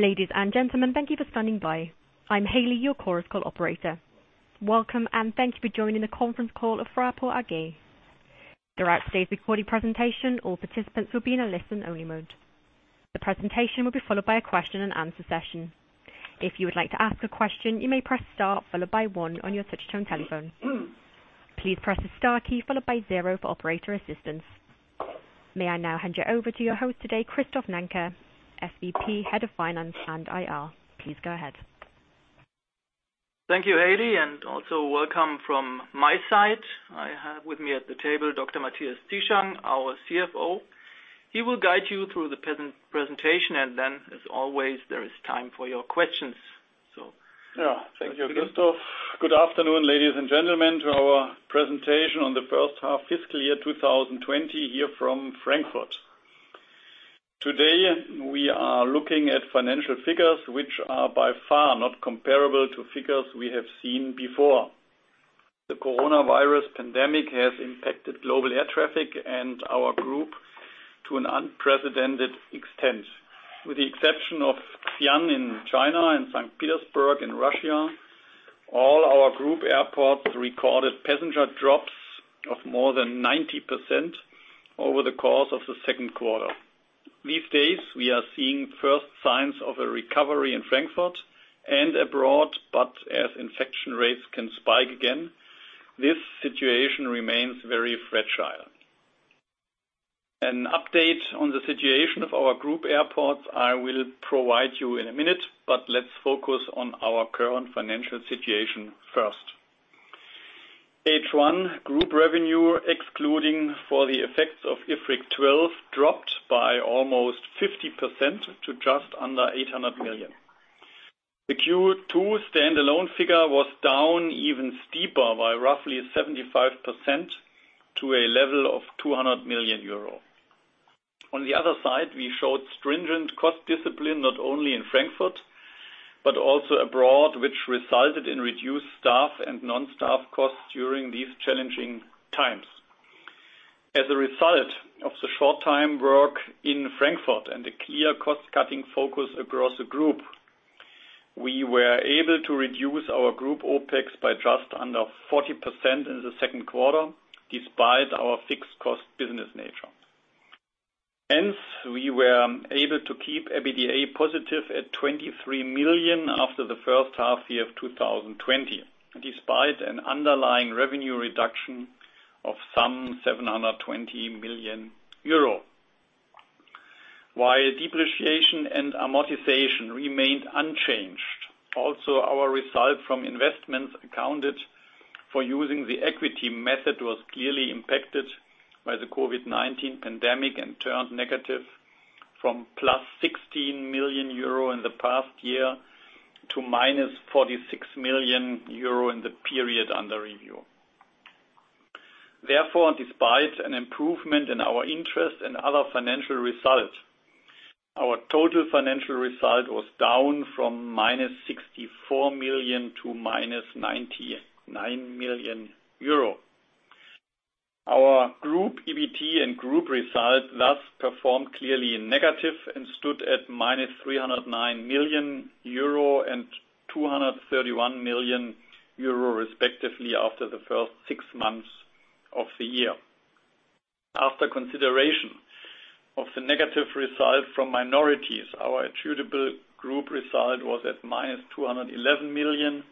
Ladies and gentlemen, thank you for standing by. I'm Hayley, your Chorus Call operator. Welcome, and thank you for joining the conference call of Fraport AG. Throughout today's recorded presentation, all participants will be in a listen-only mode. The presentation will be followed by a question-and-answer session. If you would like to ask a question, you may press star followed by one on your touch-tone telephone. Please press the star key followed by zero for operator assistance. May I now hand you over to your host today, Christoph Nanke, SVP, Head of Finance and IR. Please go ahead. Thank you, Hayley, and also welcome from my side. I have with me at the table Dr. Matthias Zieschang, our CFO. He will guide you through the presentation, and then, as always, there is time for your questions. So. Yeah, thank you, Christoph. Good afternoon, ladies and gentlemen, to our presentation on the first half fiscal year 2020 here from Frankfurt. Today, we are looking at financial figures which are by far not comparable to figures we have seen before. The coronavirus pandemic has impacted global air traffic and our group to an unprecedented extent. With the exception of Xi'an in China and Saint Petersburg in Russia, all our group airports recorded passenger drops of more than 90% over the course of the second quarter. These days, we are seeing first signs of a recovery in Frankfurt and abroad, but as infection rates can spike again, this situation remains very fragile. An update on the situation of our group airports I will provide you in a minute, but let's focus on our current financial situation first. Stage one, group revenue, excluding for the effects of IFRIC 12, dropped by almost 50% to just under 800 million. The Q2 standalone figure was down even steeper by roughly 75% to a level of 200 million euro. On the other side, we showed stringent cost discipline not only in Frankfurt but also abroad, which resulted in reduced staff and non-staff costs during these challenging times. As a result of the short time work in Frankfurt and the clear cost-cutting focus across the group, we were able to reduce our group OpEx by just under 40% in the second quarter, despite our fixed cost business nature. Hence, we were able to keep EBITDA positive at 23 million after the first half year of 2020, despite an underlying revenue reduction of some 720 million euro. While depreciation and amortization remained unchanged, also our result from investments accounted for using the equity method was clearly impacted by the COVID-19 pandemic and turned negative from plus 16 million euro in the past year to minus 46 million euro in the period under review. Therefore, despite an improvement in our interest and other financial result, our total financial result was down from -64 million to -99 million euro. Our group EBIT and group result thus performed clearly negative and stood at -309 million euro and 231 million euro respectively after the first six months of the year. After consideration of the negative result from minorities, our achievable group result was at -211 million,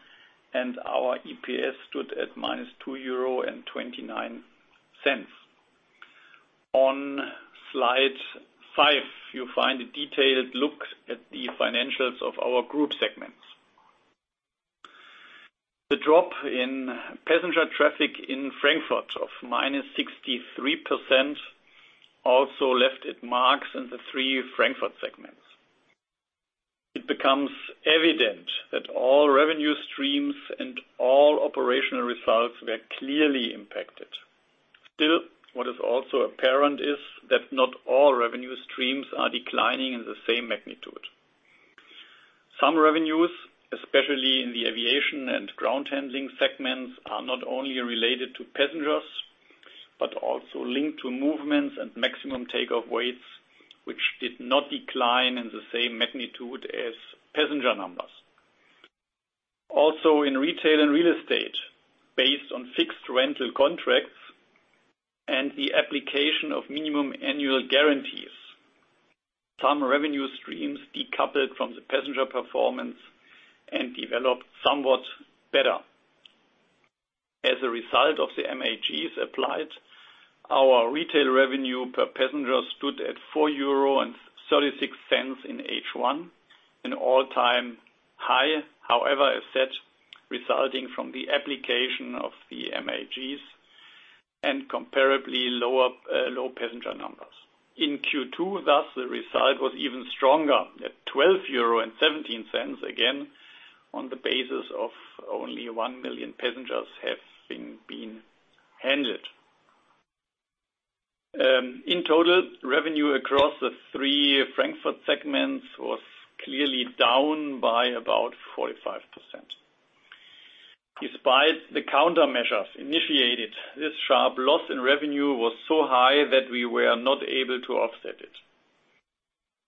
and our EPS stood at -2.29 euro. On Slide five, you find a detailed look at the financials of our group segments. The drop in passenger traffic in Frankfurt of -63% also left its marks in the three Frankfurt segments. It becomes evident that all revenue streams and all operational results were clearly impacted. Still, what is also apparent is that not all revenue streams are declining in the same magnitude. Some revenues, especially in the aviation and ground handling segments, are not only related to passengers but also linked to movements and maximum takeoff weights, which did not decline in the same magnitude as passenger numbers. Also, in retail and real estate, based on fixed rental contracts and the application of minimum annual guarantees, some revenue streams decoupled from the passenger performance and developed somewhat better. As a result of the MAGs applied, our retail revenue per passenger stood at 4.36 euro in H1, an all-time high, however, as said, resulting from the application of the MAGs and comparably low passenger numbers. In Q2, thus, the result was even stronger at 12.17 euro, again on the basis of only 1 million passengers having been handled. In total, revenue across the three Frankfurt segments was clearly down by about 45%. Despite the countermeasures initiated, this sharp loss in revenue was so high that we were not able to offset it.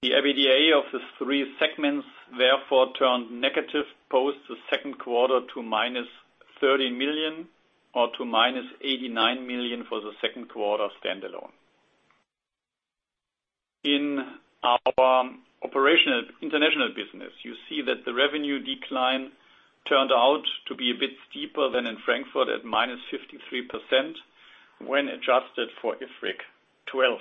The EBITDA of the three segments, therefore, turned negative post the second quarter to -30 million or to -89 million for the second quarter standalone. In our operational international business, you see that the revenue decline turned out to be a bit steeper than in Frankfurt at -53% when adjusted for IFRIC 12.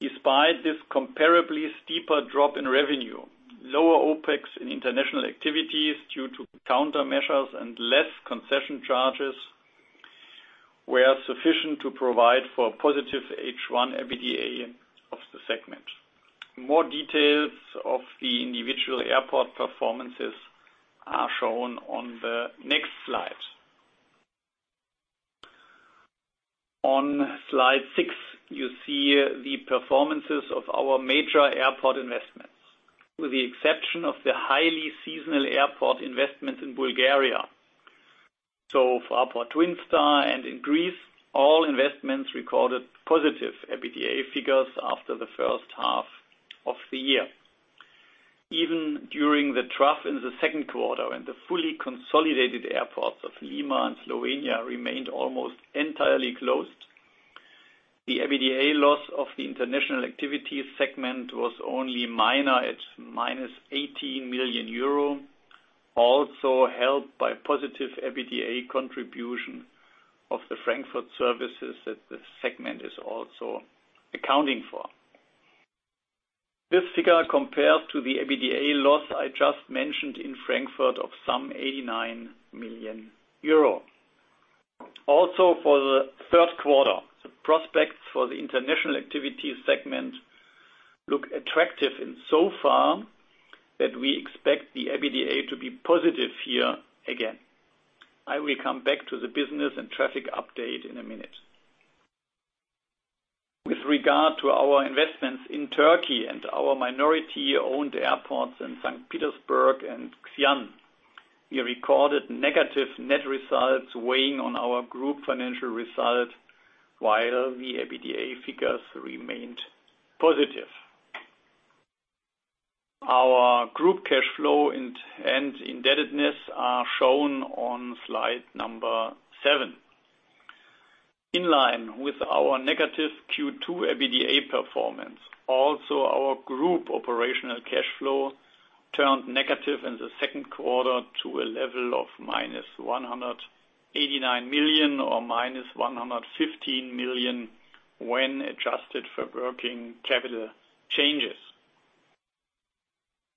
Despite this comparably steeper drop in revenue, lower OpEx in international activities due to countermeasures and less concession charges were sufficient to provide for a positive H1 EBITDA of the segment. More details of the individual airport performances are shown on the next slide. On Slide six, you see the performances of our major airport investments, with the exception of the highly seasonal airport investments in Bulgaria. So, Fraport Twin Star and in Greece, all investments recorded positive EBITDA figures after the first half of the year. Even during the trough in the second quarter, when the fully consolidated airports of Lima and Slovenia remained almost entirely closed, the EBITDA loss of the international activity segment was only minor at -18 million euro, also helped by positive EBITDA contribution of the Frankfurt services that the segment is also accounting for. This figure compares to the EBITDA loss I just mentioned in Frankfurt of some 89 million euro. Also, for the third quarter, the prospects for the international activity segment look attractive in so far that we expect the EBITDA to be positive here again. I will come back to the business and traffic update in a minute. With regard to our investments in Turkey and our minority-owned airports in Saint Petersburg and Xi'an, we recorded negative net results weighing on our group financial result, while the EBITDA figures remained positive. Our group cash flow and indebtedness are shown on slide number seven. In line with our negative Q2 EBITDA performance, also our group operational cash flow turned negative in the second quarter to a level of -189 million or -115 million when adjusted for working capital changes.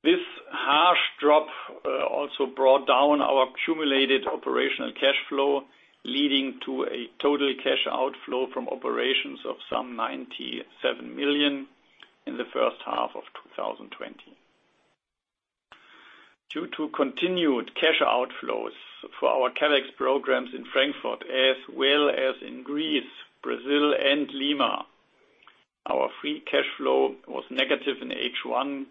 This harsh drop also brought down our cumulated operational cash flow, leading to a total cash outflow from operations of some 97 million in the first half of 2020. Due to continued cash outflows for our CapEx programs in Frankfurt as well as in Greece, Brazil, and Lima, our free cash flow was negative in H1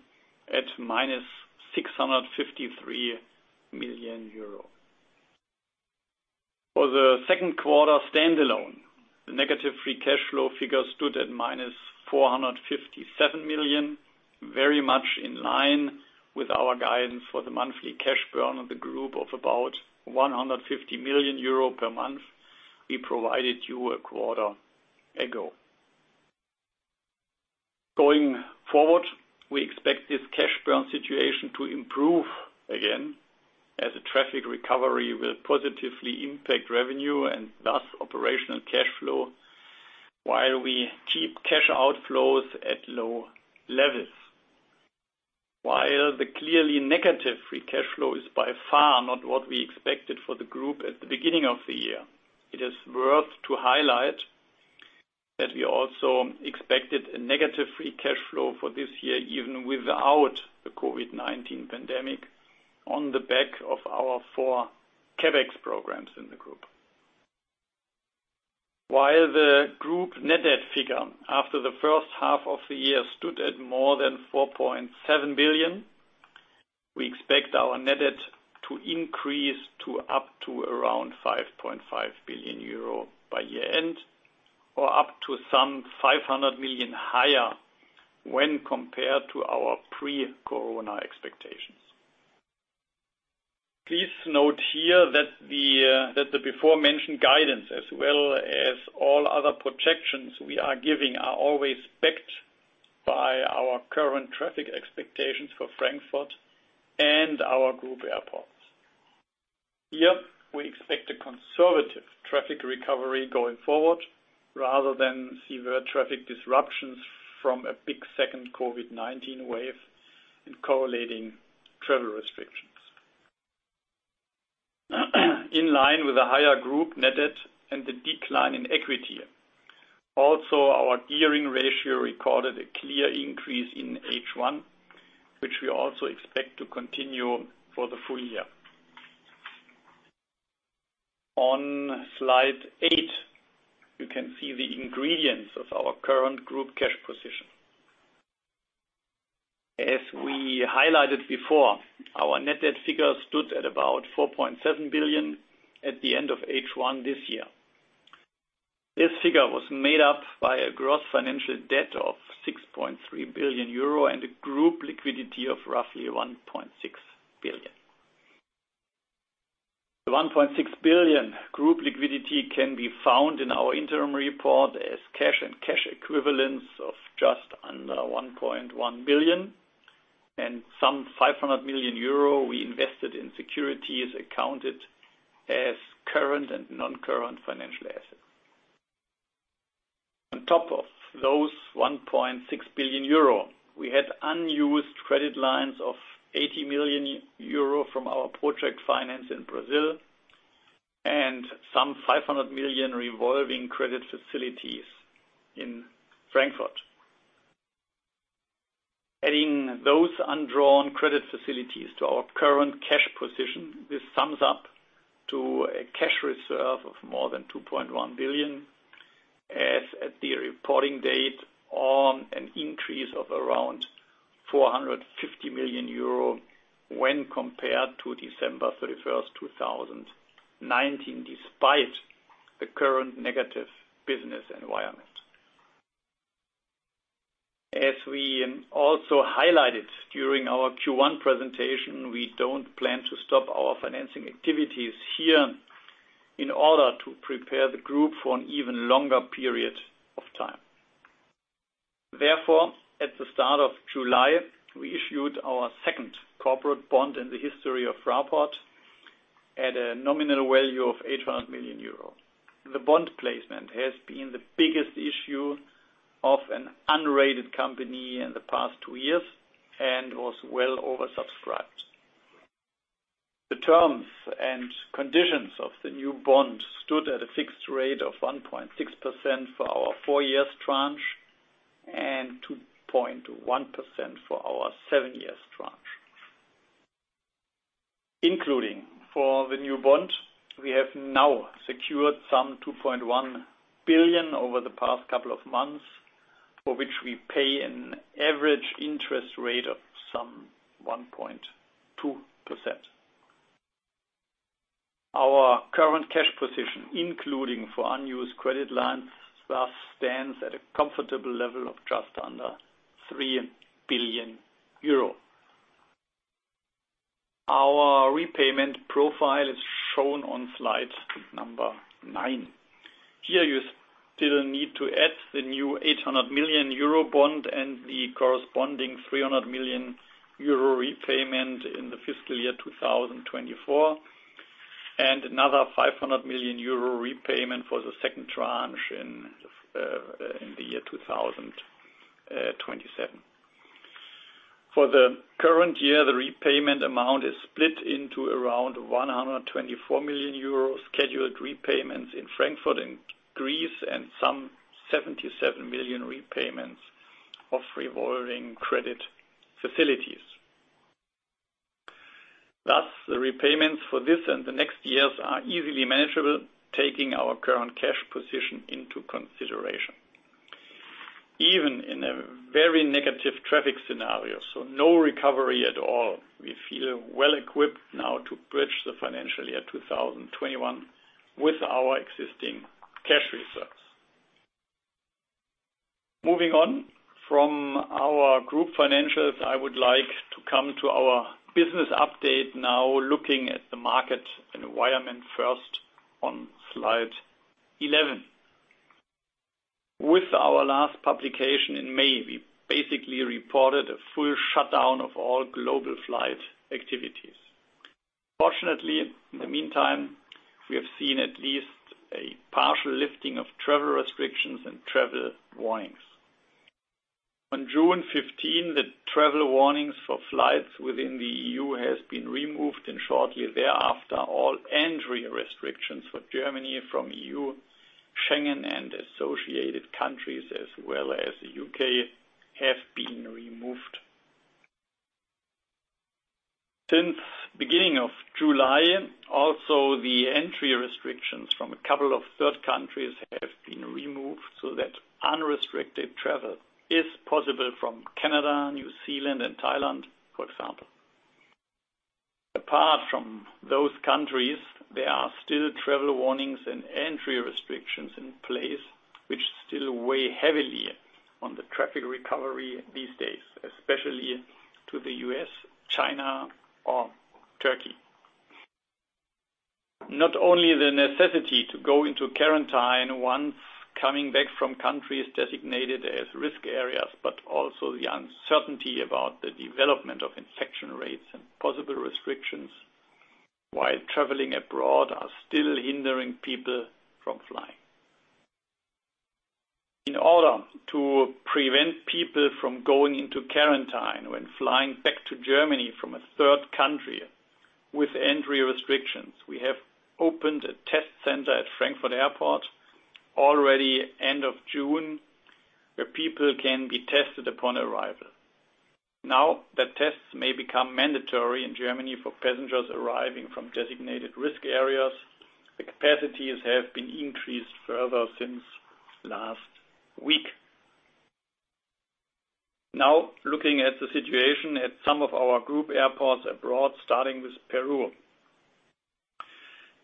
at -653 million euro. For the second quarter standalone, the negative free cash flow figure stood at -457 million, very much in line with our guidance for the monthly cash burn of the group of about 150 million euro per month we provided you a quarter ago. Going forward, we expect this cash burn situation to improve again as the traffic recovery will positively impact revenue and thus operational cash flow while we keep cash outflows at low levels. While the clearly negative free cash flow is by far not what we expected for the group at the beginning of the year, it is worth to highlight that we also expected a negative free cash flow for this year even without the COVID-19 pandemic on the back of our four CapEx programs in the group. While the group net debt figure after the first half of the year stood at more than 4.7 billion, we expect our net debt to increase to up to around 5.5 billion euro by year-end or up to some 500 million higher when compared to our pre-corona expectations. Please note here that the before-mentioned guidance, as well as all other projections we are giving, are always backed by our current traffic expectations for Frankfurt and our group airports. Here, we expect a conservative traffic recovery going forward rather than severe traffic disruptions from a big second COVID-19 wave and correlating travel restrictions. In line with a higher group net debt and the decline in equity, also, our gearing ratio recorded a clear increase in H1, which we also expect to continue for the full year. On Slide eight, you can see the ingredients of our current group cash position. As we highlighted before, our net debt figure stood at about 4.7 billion at the end of H1 this year. This figure was made up by a gross financial debt of 6.3 billion euro and a group liquidity of roughly 1.6 billion. The 1.6 billion group liquidity can be found in our interim report as cash and cash equivalents of just under 1.1 billion, and some 500 million euro we invested in securities accounted as current and non-current financial assets. On top of those 1.6 billion euro, we had unused credit lines of 80 million euro from our project finance in Brazil and some 500 million revolving credit facilities in Frankfurt. Adding those undrawn credit facilities to our current cash position, this sums up to a cash reserve of more than 2.1 billion, as at the reporting date, an increase of around 450 million euro when compared to December 31, 2019, despite the current negative business environment. As we also highlighted during our Q1 presentation, we don't plan to stop our financing activities here in order to prepare the group for an even longer period of time. Therefore, at the start of July, we issued our second corporate bond in the history of Fraport at a nominal value of 800 million euro. The bond placement has been the biggest issue of an unrated company in the past two years and was well oversubscribed. The terms and conditions of the new bond stood at a fixed rate of 1.6% for our four-year tranche and 2.1% for our seven-year tranche. Including for the new bond, we have now secured some 2.1 billion over the past couple of months, for which we pay an average interest rate of some 1.2%. Our current cash position, including for unused credit lines, thus stands at a comfortable level of just under 3 billion euro. Our repayment profile is shown on slide number nine. Here, you still need to add the new 800 million euro bond and the corresponding 300 million euro repayment in the fiscal year 2024, and another 500 million euro repayment for the second tranche in the year 2027. For the current year, the repayment amount is split into around 124 million euro scheduled repayments in Frankfurt and Greece and some 77 million repayments of revolving credit facilities. Thus, the repayments for this and the next years are easily manageable, taking our current cash position into consideration. Even in a very negative traffic scenario, so no recovery at all, we feel well equipped now to bridge the financial year 2021 with our existing cash reserves. Moving on from our group financials, I would like to come to our business update now, looking at the market environment first on Slide 11. With our last publication in May, we basically reported a full shutdown of all global flight activities. Fortunately, in the meantime, we have seen at least a partial lifting of travel restrictions and travel warnings. On June 15, the travel warnings for flights within the EU have been removed, and shortly thereafter, all entry restrictions for Germany from EU, Schengen, and associated countries, as well as the U.K., have been removed. Since the beginning of July, also, the entry restrictions from a couple of third countries have been removed so that unrestricted travel is possible from Canada, New Zealand, and Thailand, for example. Apart from those countries, there are still travel warnings and entry restrictions in place, which still weigh heavily on the traffic recovery these days, especially to the U.S., China, or Turkey. Not only the necessity to go into quarantine once coming back from countries designated as risk areas, but also the uncertainty about the development of infection rates and possible restrictions while traveling abroad are still hindering people from flying. In order to prevent people from going into quarantine when flying back to Germany from a third country with entry restrictions, we have opened a test center at Frankfurt Airport already at the end of June, where people can be tested upon arrival. Now, the tests may become mandatory in Germany for passengers arriving from designated risk areas. The capacities have been increased further since last week. Now, looking at the situation at some of our group airports abroad, starting with Peru.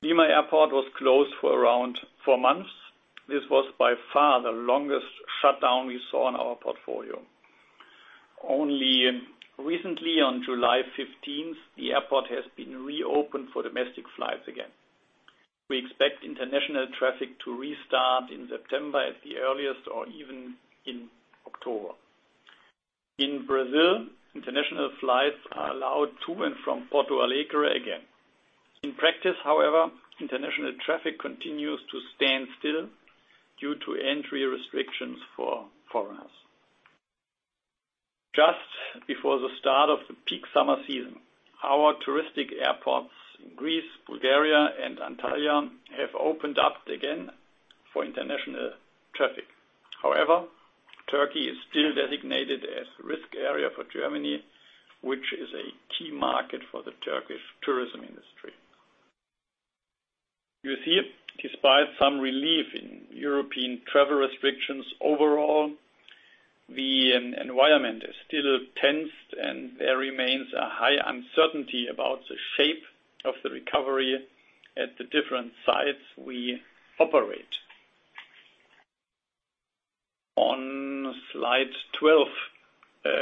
Lima Airport was closed for around four months. This was by far the longest shutdown we saw in our portfolio. Only recently, on July 15, the airport has been reopened for domestic flights again. We expect international traffic to restart in September at the earliest or even in October. In Brazil, international flights are allowed to and from Porto Alegre again. In practice, however, international traffic continues to stand still due to entry restrictions for foreigners. Just before the start of the peak summer season, our touristic airports in Greece, Bulgaria, and Antalya have opened up again for international traffic. However, Turkey is still designated as a risk area for Germany, which is a key market for the Turkish tourism industry. You see, despite some relief in European travel restrictions overall, the environment is still tense, and there remains a high uncertainty about the shape of the recovery at the different sites we operate. On Slide 12,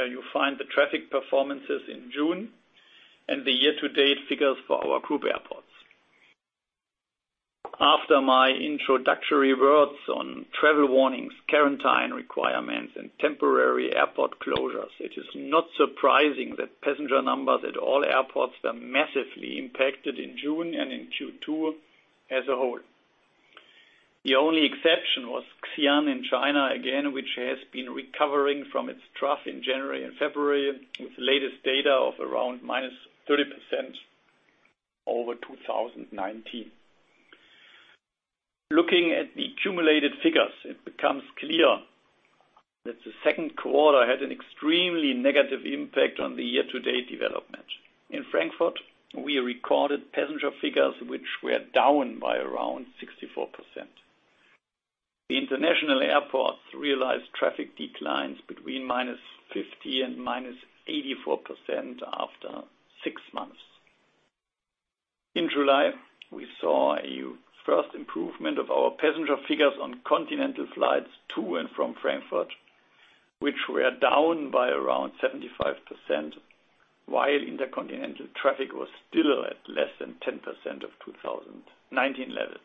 you find the traffic performances in June and the year-to-date figures for our group airports. After my introductory words on travel warnings, quarantine requirements, and temporary airport closures, it is not surprising that passenger numbers at all airports were massively impacted in June and in Q2 as a whole. The only exception was Xi'an in China again, which has been recovering from its trough in January and February, with the latest data of around -30% over 2019. Looking at the cumulated figures, it becomes clear that the second quarter had an extremely negative impact on the year-to-date development. In Frankfurt, we recorded passenger figures which were down by around 64%. The international airports realized traffic declines between -50% and -84% after six months. In July, we saw a first improvement of our passenger figures on continental flights to and from Frankfurt, which were down by around 75%, while intercontinental traffic was still at less than 10% of 2019 levels.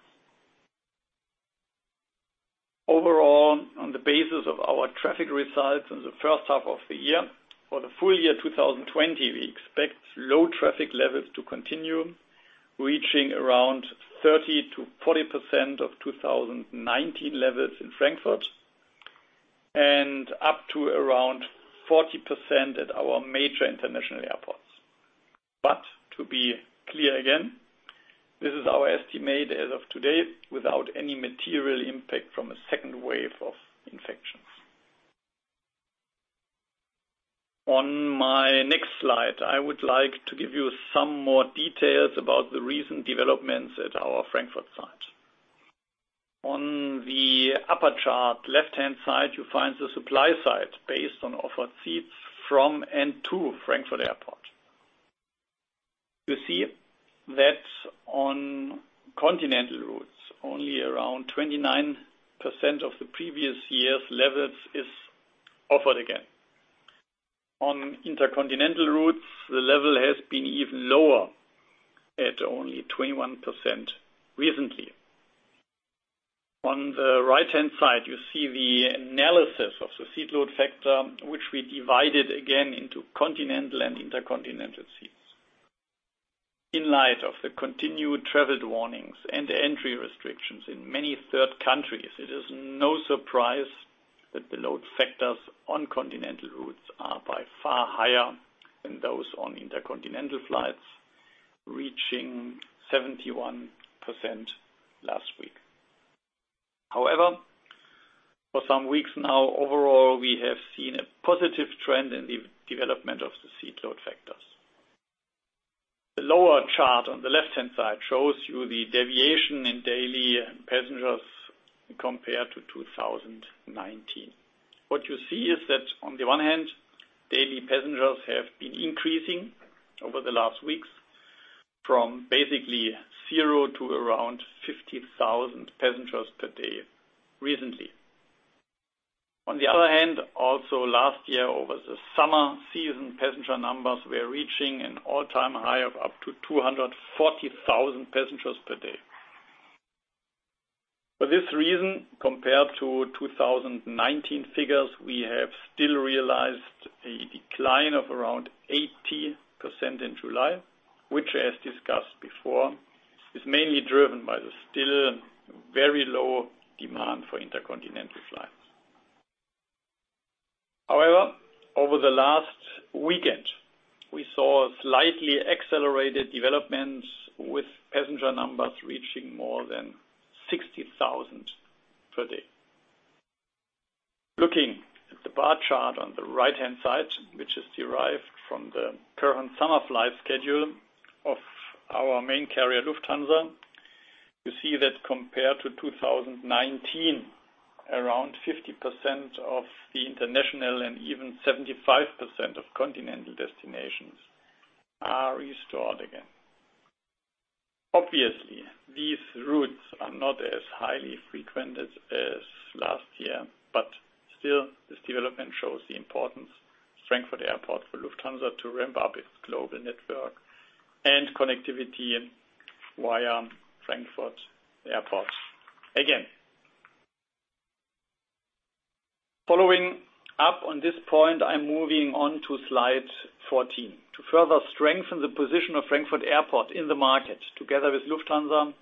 Overall, on the basis of our traffic results in the first half of the year, for the full year 2020, we expect low traffic levels to continue, reaching around 30%-40% of 2019 levels in Frankfurt and up to around 40% at our major international airports. But to be clear again, this is our estimate as of today, without any material impact from a second wave of infections. On my next slide, I would like to give you some more details about the recent developments at our Frankfurt site. On the upper chart, left-hand side, you find the supply side based on offered seats from and to Frankfurt Airport. You see that on continental routes, only around 29% of the previous year's levels is offered again. On intercontinental routes, the level has been even lower at only 21% recently. On the right-hand side, you see the analysis of the seat load factor, which we divided again into continental and intercontinental seats. In light of the continued travel warnings and entry restrictions in many third countries, it is no surprise that the load factors on continental routes are by far higher than those on intercontinental flights, reaching 71% last week. However, for some weeks now, overall, we have seen a positive trend in the development of the seat load factors. The lower chart on the left-hand side shows you the deviation in daily passengers compared to 2019. What you see is that, on the one hand, daily passengers have been increasing over the last weeks from basically zero to around 50,000 passengers per day recently. On the other hand, also last year, over the summer season, passenger numbers were reaching an all-time high of up to 240,000 passengers per day. For this reason, compared to 2019 figures, we have still realized a decline of around 80% in July, which, as discussed before, is mainly driven by the still very low demand for intercontinental flights. However, over the last weekend, we saw a slightly accelerated development with passenger numbers reaching more than 60,000 per day. Looking at the bar chart on the right-hand side, which is derived from the current summer flight schedule of our main carrier, Lufthansa, you see that compared to 2019, around 50% of the international and even 75% of continental destinations are restored again. Obviously, these routes are not as highly frequented as last year, but still, this development shows the importance of Frankfurt Airport for Lufthansa to ramp up its global network and connectivity via Frankfurt Airport again. Following up on this point, I'm moving on to Slide 14. To further strengthen the position of Frankfurt Airport in the market, together with Lufthansa,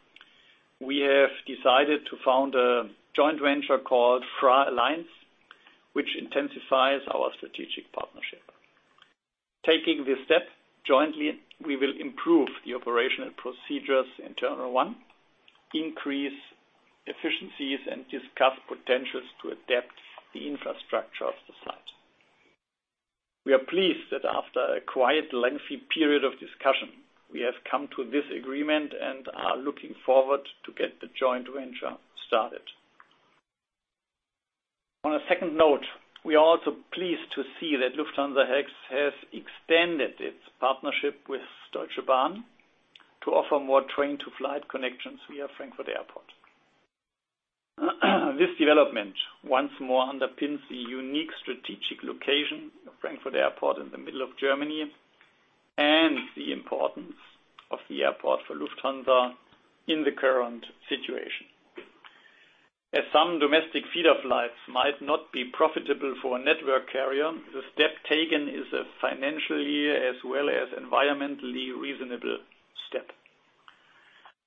we have decided to found a joint venture called FraAlliance, which intensifies our strategic partnership. Taking this step jointly, we will improve the operational procedures in Terminal 1, increase efficiencies, and discuss potentials to adapt the infrastructure of the site. We are pleased that after a quiet, lengthy period of discussion, we have come to this agreement and are looking forward to getting the joint venture started. On a second note, we are also pleased to see that Lufthansa Express has extended its partnership with Deutsche Bahn to offer more train-to-flight connections via Frankfurt Airport. This development once more underpins the unique strategic location of Frankfurt Airport in the middle of Germany and the importance of the airport for Lufthansa in the current situation. As some domestic feeder flights might not be profitable for a network carrier, the step taken is a financially as well as environmentally reasonable step.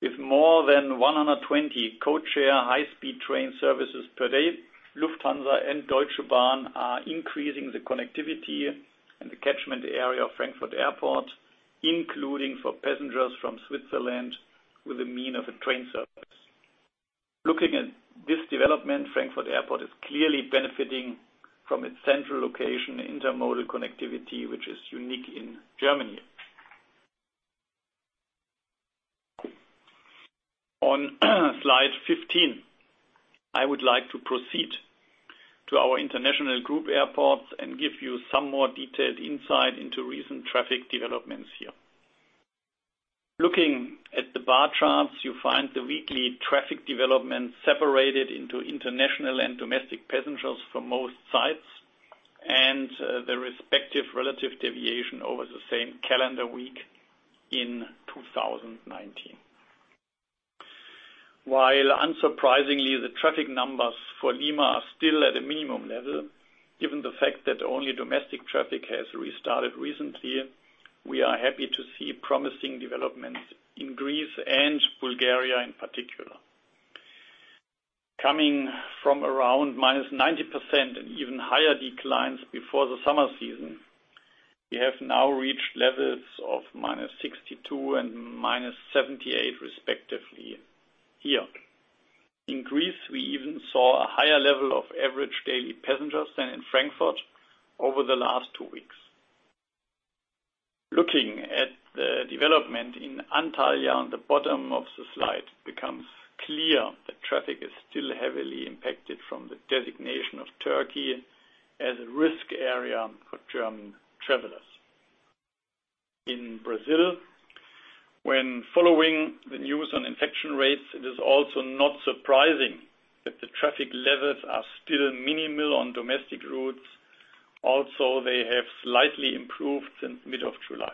With more than 120 codeshare high-speed train services per day, Lufthansa and Deutsche Bahn are increasing the connectivity and the catchment area of Frankfurt Airport, including for passengers from Switzerland by means of a train service. Looking at this development, Frankfurt Airport is clearly benefiting from its central location and intermodal connectivity, which is unique in Germany. On Slide 15, I would like to proceed to our international group airports and give you some more detailed insight into recent traffic developments here. Looking at the bar charts, you find the weekly traffic developments separated into international and domestic passengers for most sites and the respective relative deviation over the same calendar week in 2019. While unsurprisingly, the traffic numbers for Lima are still at a minimum level, given the fact that only domestic traffic has restarted recently, we are happy to see promising developments in Greece and Bulgaria in particular. Coming from around -90% and even higher declines before the summer season, we have now reached levels of -62% and -78%, respectively, here. In Greece, we even saw a higher level of average daily passengers than in Frankfurt over the last two weeks. Looking at the development in Antalya on the bottom of the slide, it becomes clear that traffic is still heavily impacted from the designation of Turkey as a risk area for German travelers. In Brazil, when following the news on infection rates, it is also not surprising that the traffic levels are still minimal on domestic routes. Also, they have slightly improved since the middle of July.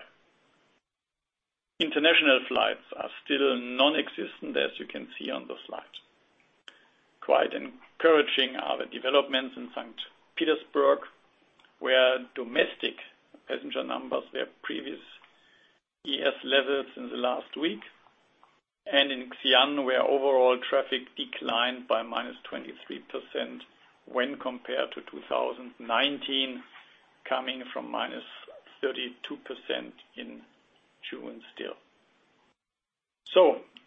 International flights are still non-existent, as you can see on the slide. Quite encouraging are the developments in Saint Petersburg, where domestic passenger numbers were previous year's levels in the last week, and in Xi'an, where overall traffic declined by -23% when compared to 2019, coming from -32% in June still.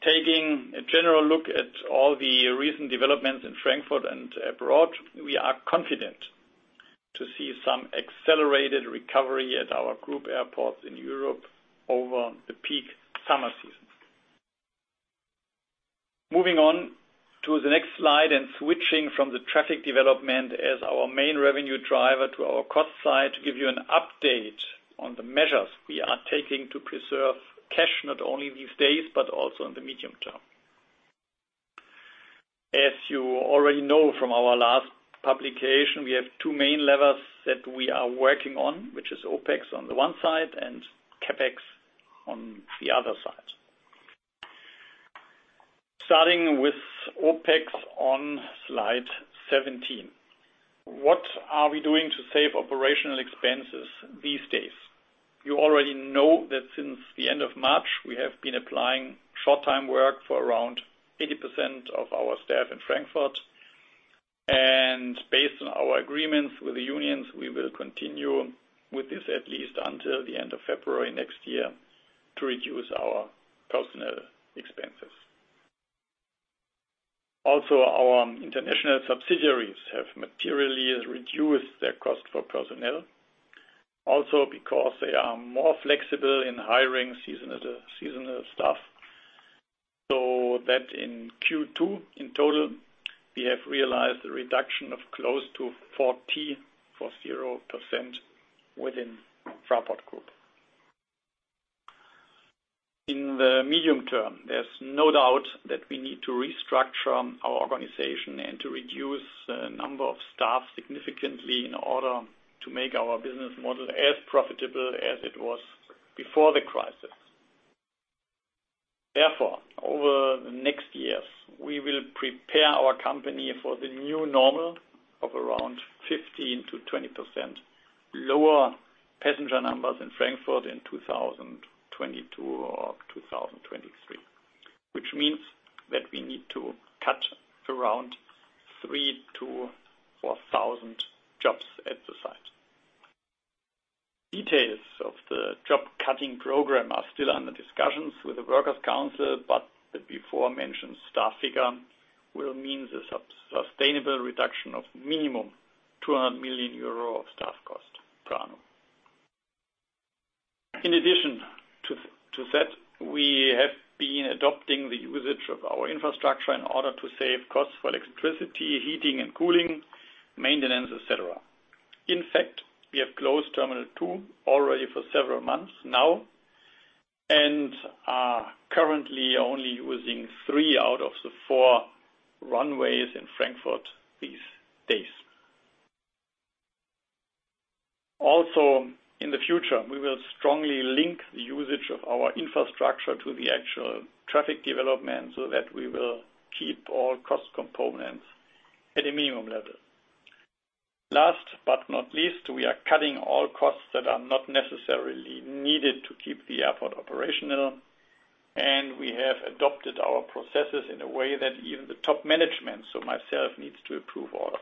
Taking a general look at all the recent developments in Frankfurt and abroad, we are confident to see some accelerated recovery at our group airports in Europe over the peak summer season. Moving on to the next slide and switching from the traffic development as our main revenue driver to our cost side to give you an update on the measures we are taking to preserve cash not only these days but also in the medium term. As you already know from our last publication, we have two main levers that we are working on, which is OpEx on the one side and CapEx on the other side. Starting with OpEx on Slide 17, what are we doing to save operational expenses these days? You already know that since the end of March, we have been applying short-time work for around 80% of our staff in Frankfurt, and based on our agreements with the unions, we will continue with this at least until the end of February next year to reduce our personnel expenses. Also, our international subsidiaries have materially reduced their cost for personnel, also because they are more flexible in hiring seasonal staff, so that in Q2, in total, we have realized a reduction of close to 40% within Fraport Group. In the medium term, there's no doubt that we need to restructure our organization and to reduce the number of staff significantly in order to make our business model as profitable as it was before the crisis. Therefore, over the next years, we will prepare our company for the new normal of around 15%-20% lower passenger numbers in Frankfurt in 2022 or 2023, which means that we need to cut around 3,000-4,000 jobs at the site. Details of the job-cutting program are still under discussions with the Workers' Council, but the before-mentioned staff figure will mean the sustainable reduction of minimum 200 million euro of staff cost per annum. In addition to that, we have been adopting the usage of our infrastructure in order to save costs for electricity, heating, and cooling, maintenance, etc. In fact, we have Terminal 2 already for several months now and are currently only using three out of the four runways in Frankfurt these days. Also, in the future, we will strongly link the usage of our infrastructure to the actual traffic development so that we will keep all cost components at a minimum level. Last but not least, we are cutting all costs that are not necessarily needed to keep the airport operational, and we have adopted our processes in a way that even the top management, so myself, needs to approve all of us.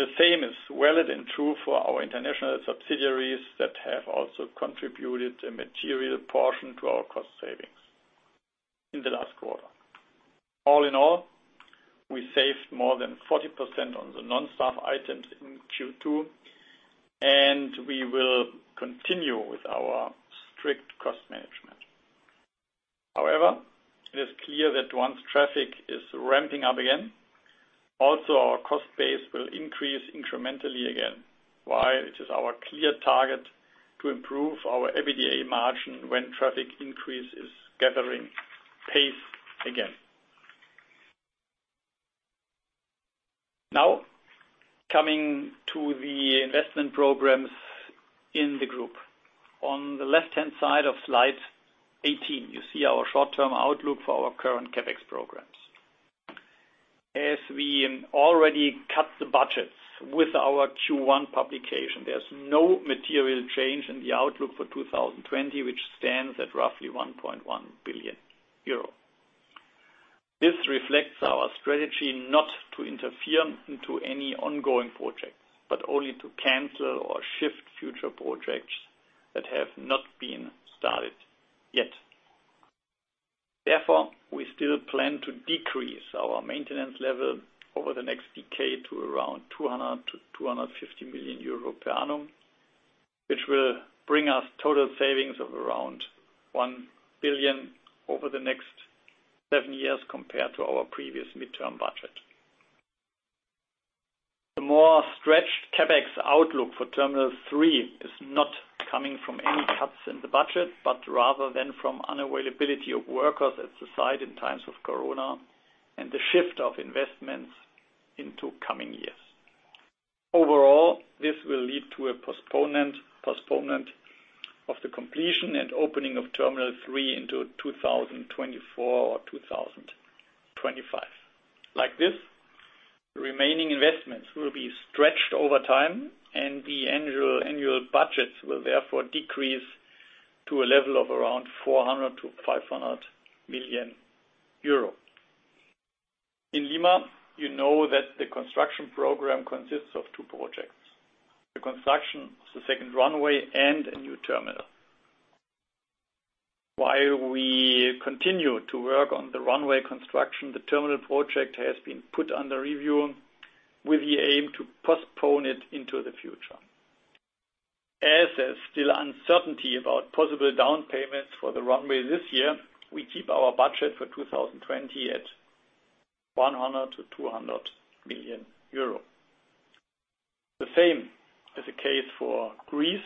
The same is valid and true for our international subsidiaries that have also contributed a material portion to our cost savings in the last quarter. All in all, we saved more than 40% on the non-staff items in Q2, and we will continue with our strict cost management. However, it is clear that once traffic is ramping up again, also our cost base will increase incrementally again, while it is our clear target to improve our EBITDA margin when traffic increase is gathering pace again. Now, coming to the investment programs in the group, on the left-hand side of Slide 18, you see our short-term outlook for our current CapEx programs. As we already cut the budgets with our Q1 publication, there's no material change in the outlook for 2020, which stands at roughly 1.1 billion euro. This reflects our strategy not to interfere into any ongoing projects, but only to cancel or shift future projects that have not been started yet. Therefore, we still plan to decrease our maintenance level over the next decade to around 200 million-250 million euro per annum, which will bring us total savings of around 1 billion over the next seven years compared to our previous midterm budget. The more stretched CapEx outlook for Terminal 3 is not coming from any cuts in the budget, but rather from unavailability of workers at the site in times of Corona and the shift of investments into coming years. Overall, this will lead to a postponement of the completion and opening of Terminal 3 into 2024 or 2025. Like this, the remaining investments will be stretched over time, and the annual budgets will therefore decrease to a level of around 400 million-500 million euro. In Lima, you know that the construction program consists of two projects: the construction of the second runway and a new terminal. While we continue to work on the runway construction, the terminal project has been put under review with the aim to postpone it into the future. As there's still uncertainty about possible down payments for the runway this year, we keep our budget for 2020 at 100 million-200 million euro. The same is the case for Greece,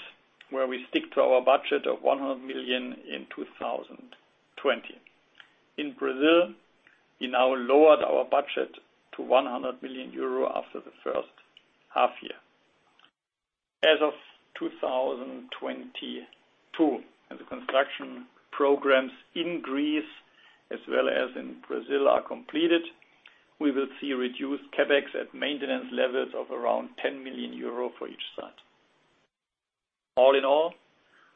where we stick to our budget of 100 million in 2020. In Brazil, we now lowered our budget to 100 million euro after the first half year. As of 2022, as the construction programs in Greece as well as in Brazil are completed, we will see reduced CapEx at maintenance levels of around 10 million euro for each site. All in all,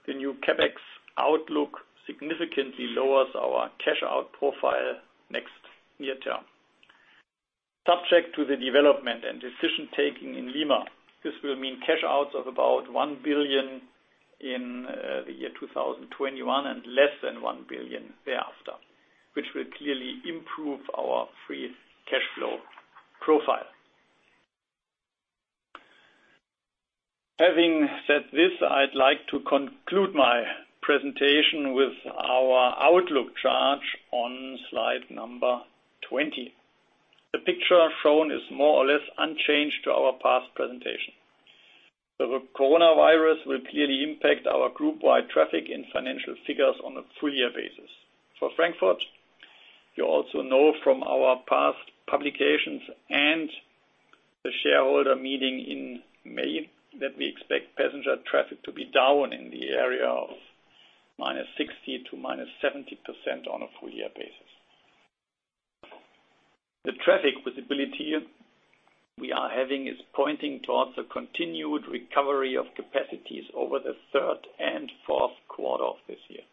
the new CapEx outlook significantly lowers our cash-out profile next year term. Subject to the development and decision-taking in Lima, this will mean cash-outs of about 1 billion in the year 2021 and less than 1 billion thereafter, which will clearly improve our free cash flow profile. Having said this, I'd like to conclude my presentation with our outlook chart on slide number 20. The picture shown is more or less unchanged to our past presentation. The coronavirus will clearly impact our group-wide traffic in financial figures on a full-year basis. For Frankfurt, you also know from our past publications and the shareholder meeting in May that we expect passenger traffic to be down in the area of -60% to -70% on a full-year basis. The traffic visibility we are having is pointing towards a continued recovery of capacities over the third and fourth quarter of this year.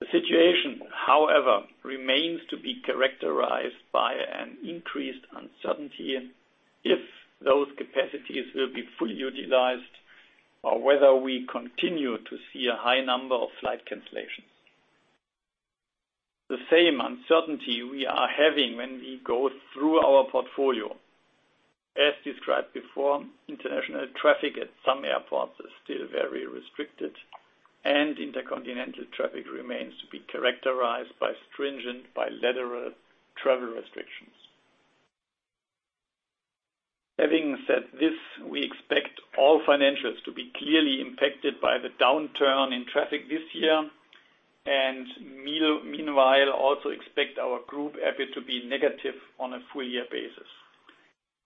The situation, however, remains to be characterized by an increased uncertainty if those capacities will be fully utilized or whether we continue to see a high number of flight cancellations. The same uncertainty we are having when we go through our portfolio. As described before, international traffic at some airports is still very restricted, and intercontinental traffic remains to be characterized by stringent bilateral travel restrictions. Having said this, we expect all financials to be clearly impacted by the downturn in traffic this year, and meanwhile, also expect our group EBIT to be negative on a full-year basis.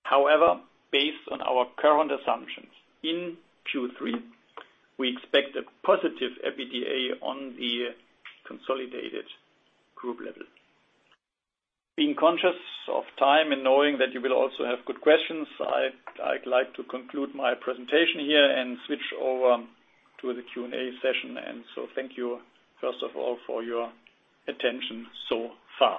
However, based on our current assumptions in Q3, we expect a positive EBITDA on the consolidated group level. Being conscious of time and knowing that you will also have good questions, I'd like to conclude my presentation here and switch over to the Q&A session. Thank you first of all for your attention so far.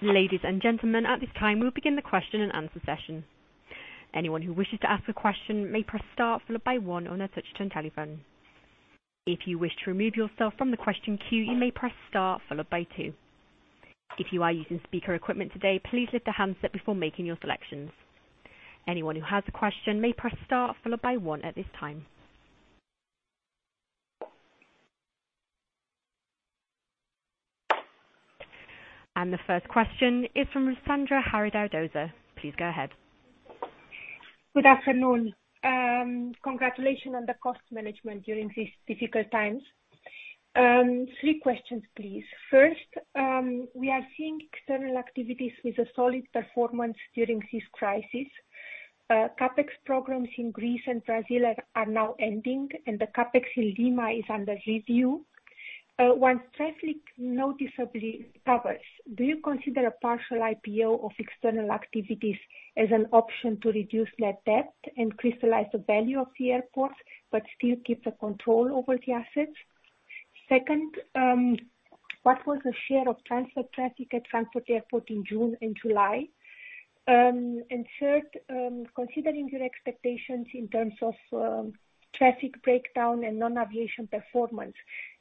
Ladies and gentlemen, at this time, we'll begin the question and answer session. Anyone who wishes to ask a question may press star, followed by one, on their touch-tone telephone. If you wish to remove yourself from the question queue, you may press star, followed by two. If you are using speaker equipment today, please lift the handset before making your selections. Anyone who has a question may press star, followed by one, at this time. The first question is from Ruxandra Haradau-Döser. Please go ahead. Good afternoon. Congratulations on the cost management during these difficult times. Three questions, please. First, we are seeing external activities with a solid performance during this crisis. CapEx programs in Greece and Brazil are now ending, and the CapEx in Lima is under review. Once traffic noticeably recovers, do you consider a partial IPO of external activities as an option to reduce net debt and crystallize the value of the airport but still keep the control over the assets? Second, what was the share of transfer traffic at Frankfurt Airport in June and July? And third, considering your expectations in terms of traffic breakdown and non-aviation performance,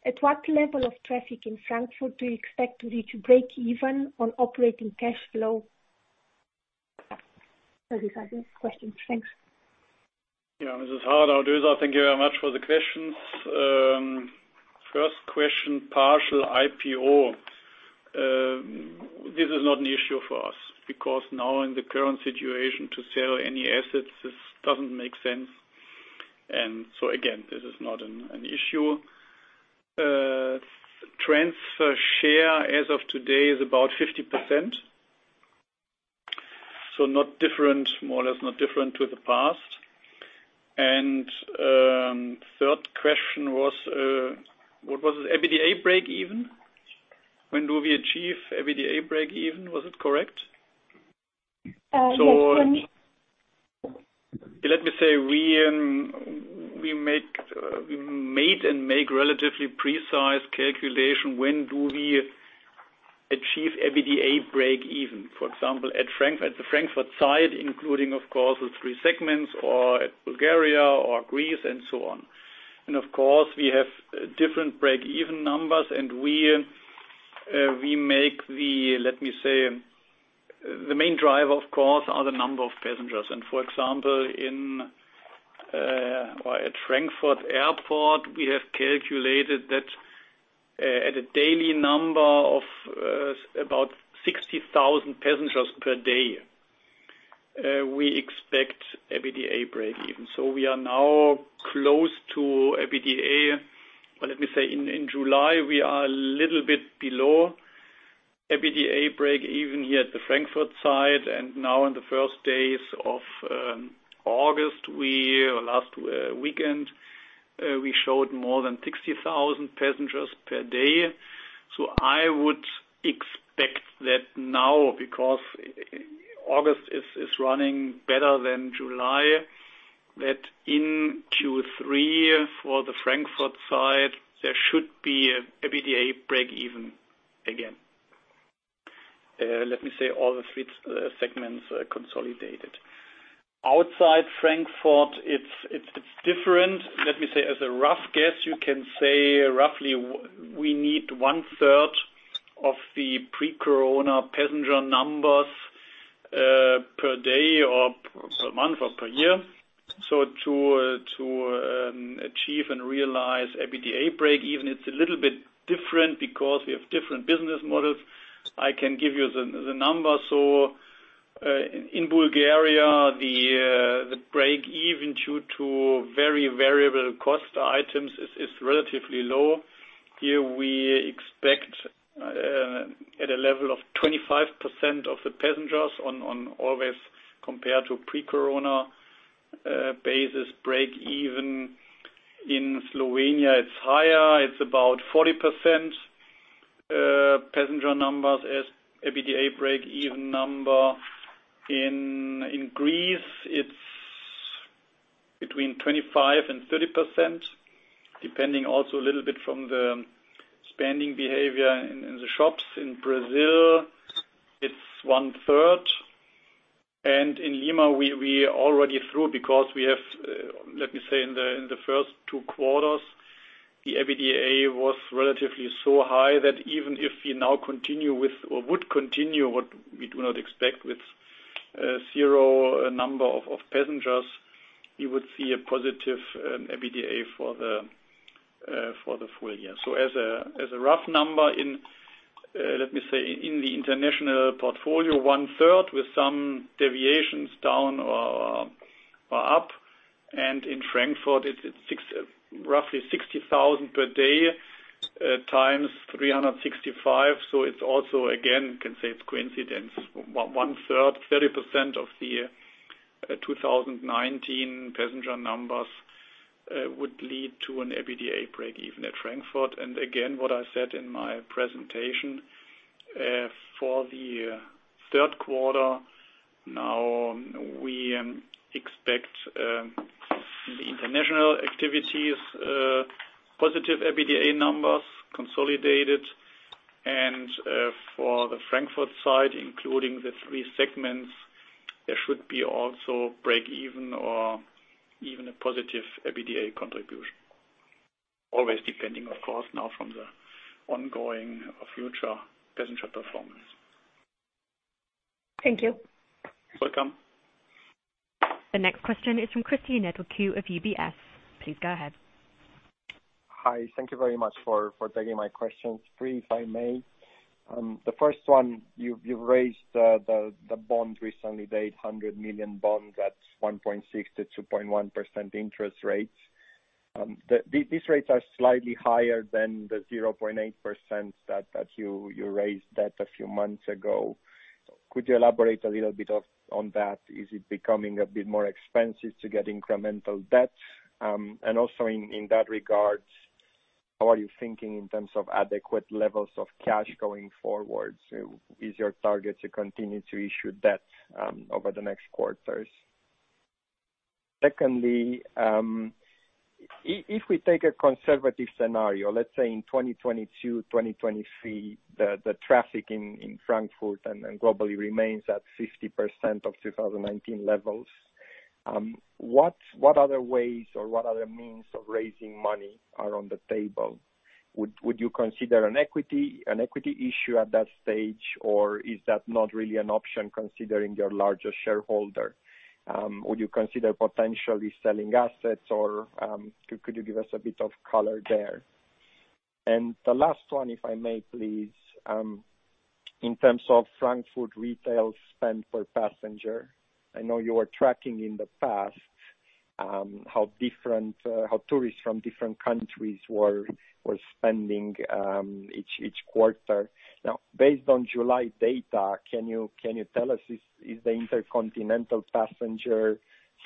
at what level of traffic in Frankfurt do you expect to reach break-even on operating cash flow? These are the questions. Thanks. Yeah, Mrs. Haradau-Döser, thank you very much for the questions. First question, partial IPO. This is not an issue for us because knowing the current situation to sell any assets, this doesn't make sense. And so again, this is not an issue. Transfer share as of today is about 50%, so not different, more or less not different to the past. And the third question was, what was it? EBITDA break-even? When do we achieve EBITDA break-even? Was it correct? So let me say we made and make relatively precise calculations when do we achieve EBITDA break-even, for example, at the Frankfurt site, including, of course, the three segments or at Bulgaria or Greece and so on. And of course, we have different break-even numbers, and we make the, let me say, the main driver, of course, are the number of passengers. And for example, at Frankfurt Airport, we have calculated that at a daily number of about 60,000 passengers per day, we expect EBITDA break-even. So we are now close to EBITDA, or let me say in July, we are a little bit below EBITDA break-even here at the Frankfurt site. And now in the first days of August, last weekend, we showed more than 60,000 passengers per day. So I would expect that now, because August is running better than July, that in Q3 for the Frankfurt site, there should be an EBITDA break-even again. Let me say all the three segments consolidated. Outside Frankfurt, it's different. Let me say, as a rough guess, you can say roughly we need one-third of the pre-corona passenger numbers per day or per month or per year. So to achieve and realize EBITDA break-even, it's a little bit different because we have different business models. I can give you the number. So in Bulgaria, the break-even due to very variable cost items is relatively low. Here we expect at a level of 25% of the passengers on always compared to pre-corona basis break-even. In Slovenia, it's higher. It's about 40% passenger numbers as EBITDA break-even number. In Greece, it's between 25%-30%, depending also a little bit from the spending behavior in the shops. In Brazil, it's 1/3 and in Lima, we already through because we have, let me say, in the first two quarters, the EBITDA was relatively so high that even if we now continue with or would continue what we do not expect with zero number of passengers, we would see a positive EBITDA for the full year so as a rough number, let me say, in the international portfolio, one-third with some deviations down or up and in Frankfurt, it's roughly 60,000 per day times 365 so it's also, again, you can say it's coincidence. 1/3, 30% of the 2019 passenger numbers would lead to an EBITDA break-even at Frankfurt. Again, what I said in my presentation for the third quarter. Now we expect the international activities positive EBITDA numbers consolidated. And for the Frankfurt site, including the three segments, there should be also break-even or even a positive EBITDA contribution, always depending, of course, now from the ongoing future passenger performance. Thank you. You're welcome. The next question is from Cristian Nedelcu of UBS. Please go ahead. Hi. Thank you very much for taking my questions. Brief, if I may. The first one, you've raised the bond recently, the 800 million bond at 1.6%-2.1% interest rates. These rates are slightly higher than the 0.8% that you raised a few months ago. Could you elaborate a little bit on that? Is it becoming a bit more expensive to get incremental debt? Also in that regard, how are you thinking in terms of adequate levels of cash going forward? Is your target to continue to issue debt over the next quarters? Secondly, if we take a conservative scenario, let's say in 2022, 2023, the traffic in Frankfurt and globally remains at 50% of 2019 levels, what other ways or what other means of raising money are on the table? Would you consider an equity issue at that stage, or is that not really an option considering your larger shareholder? Would you consider potentially selling assets, or could you give us a bit of color there? The last one, if I may, please, in terms of Frankfurt retail spend per passenger. I know you were tracking in the past how tourists from different countries were spending each quarter. Now, based on July data, can you tell us, is the intercontinental passenger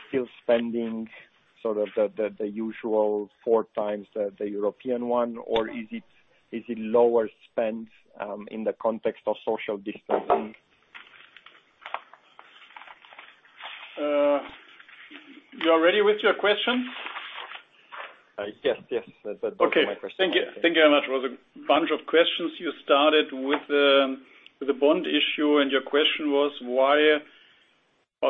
still spending sort of the usual four times the European one, or is it lower spend in the context of social distancing? You're ready with your question? Yes, yes. That was my question. Okay. Thank you very much. It was a bunch of questions. You started with the bond issue, and your question was why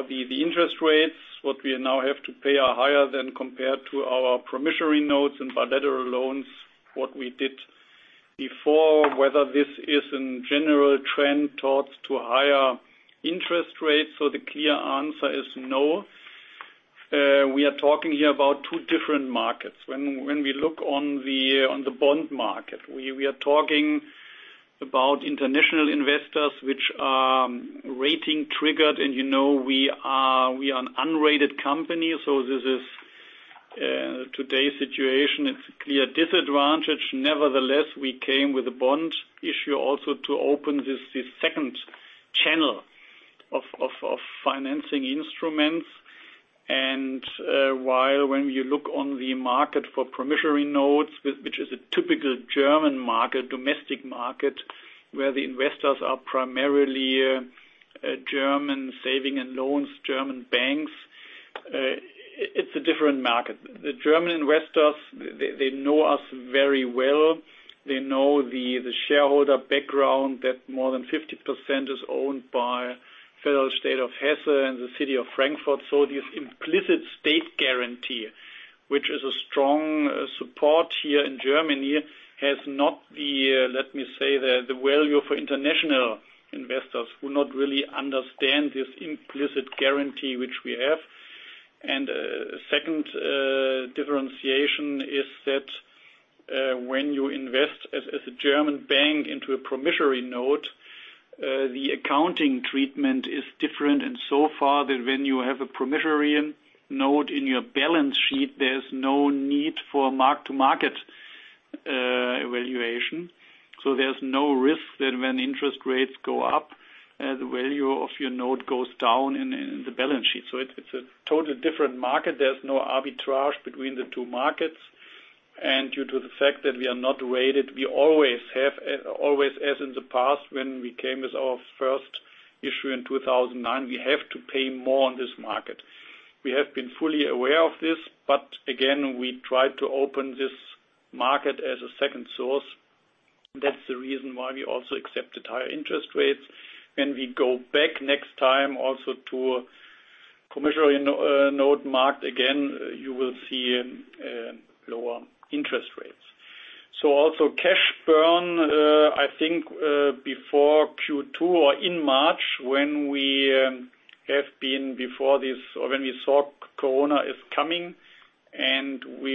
the interest rates, what we now have to pay, are higher than compared to our commercial notes and bilateral loans, what we did before, whether this is a general trend towards higher interest rates. So the clear answer is no. We are talking here about two different markets. When we look on the bond market, we are talking about international investors which are rating-triggered, and we are an unrated company. So this is today's situation. It's a clear disadvantage. Nevertheless, we came with a bond issue also to open this second channel of financing instruments, and when you look on the market for Schuldschein, which is a typical German market, domestic market, where the investors are primarily German savings and loans, German banks, it's a different market. The German investors, they know us very well. They know the shareholder background that more than 50% is owned by Federal State of Hesse and the city of Frankfurt. So this implicit state guarantee, which is a strong support here in Germany, has not the, let me say, the value for international investors who not really understand this implicit guarantee which we have, and second differentiation is that when you invest as a German bank into a Schuldschein, the accounting treatment is different. So far, when you have a Schuldschein in your balance sheet, there is no need for mark-to-market valuation. So there's no risk that when interest rates go up, the value of your note goes down in the balance sheet. So it's a totally different market. There's no arbitrage between the two markets. And due to the fact that we are not rated, we always have, always as in the past when we came with our first issue in 2009, we have to pay more on this market. We have been fully aware of this, but again, we tried to open this market as a second source. That's the reason why we also accepted higher interest rates. When we go back next time also to the Schuldschein market, again, you will see lower interest rates. So also cash burn, I think before Q2 or in March when we have been before this or when we saw corona is coming and we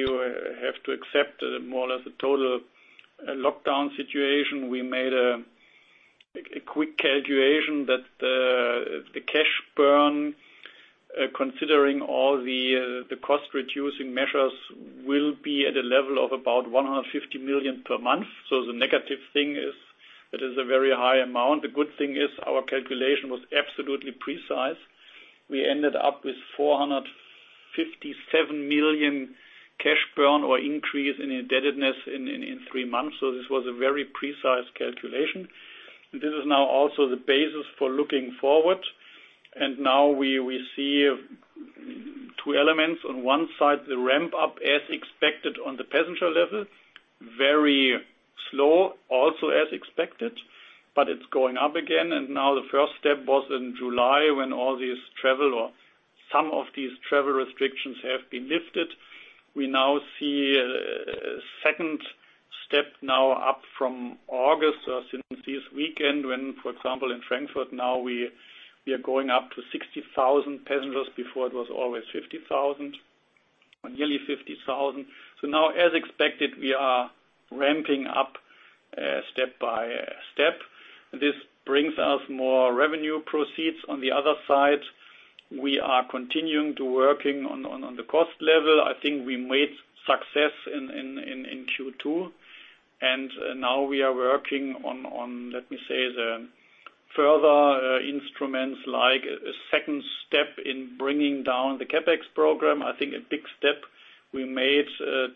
have to accept more or less a total lockdown situation, we made a quick calculation that the cash burn, considering all the cost-reducing measures, will be at a level of about 150 million per month. So the negative thing is that is a very high amount. The good thing is our calculation was absolutely precise. We ended up with 457 million cash burn or increase in indebtedness in three months. So this was a very precise calculation. This is now also the basis for looking forward. And now we see two elements. On one side, the ramp-up as expected on the passenger level, very slow, also as expected, but it's going up again. And now the first step was in July when all these travel or some of these travel restrictions have been lifted. We now see a second step now up from August or since this weekend when, for example, in Frankfurt now we are going up to 60,000 passengers before it was always 50,000 or nearly 50,000. So now, as expected, we are ramping up step by step. This brings us more revenue proceeds. On the other side, we are continuing to work on the cost level. I think we made success in Q2. And now we are working on, let me say, the further instruments like a second step in bringing down the CapEx program. I think a big step we made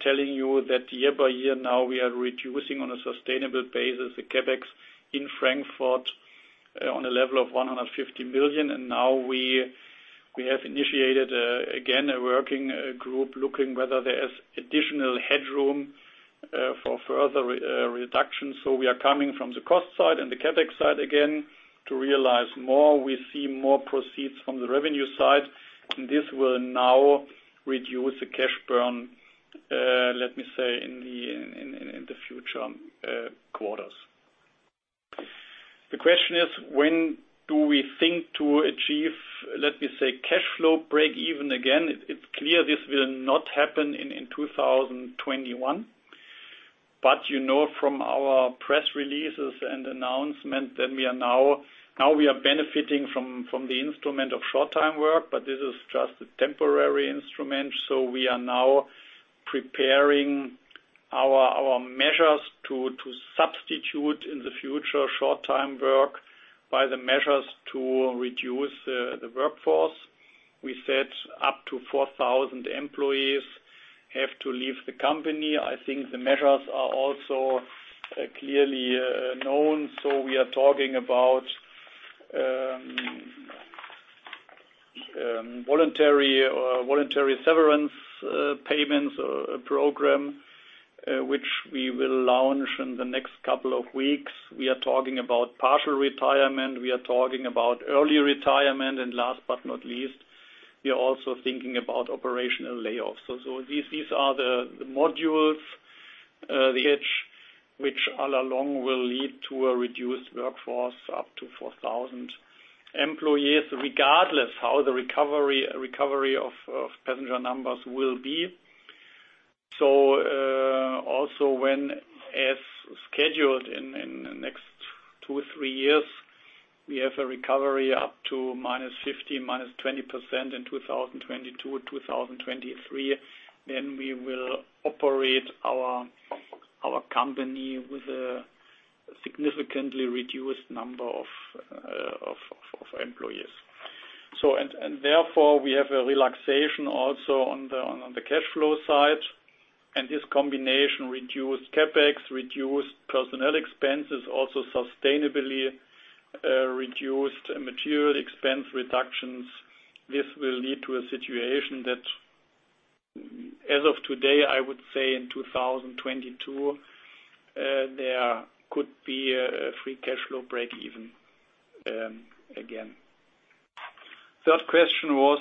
telling you that year by year now we are reducing on a sustainable basis the CapEx in Frankfurt on a level of 150 million. And now we have initiated again a working group looking whether there is additional headroom for further reduction. So we are coming from the cost side and the CapEx side again to realize more. We see more proceeds from the revenue side. And this will now reduce the cash burn, let me say, in the future quarters. The question is, when do we think to achieve, let me say, cash flow break-even again? It's clear this will not happen in 2021. But from our press releases and announcement that we are now benefiting from the instrument of short-time work, but this is just a temporary instrument. So we are now preparing our measures to substitute in the future short-time work by the measures to reduce the workforce. We said up to 4,000 employees have to leave the company. I think the measures are also clearly known. So we are talking about voluntary severance payments program, which we will launch in the next couple of weeks. We are talking about partial retirement. We are talking about early retirement. And last but not least, we are also thinking about operational layoffs. So these are the modules, which all along will lead to a reduced workforce up to 4,000 employees, regardless how the recovery of passenger numbers will be. So also when, as scheduled in the next two or three years, we have a recovery up to -50%, -20% in 2022, 2023, then we will operate our company with a significantly reduced number of employees. And therefore, we have a relaxation also on the cash flow side. And this combination reduced CapEx, reduced personnel expenses, also sustainably reduced material expense reductions. This will lead to a situation that, as of today, I would say in 2022, there could be a free cash flow break-even again. Third question was,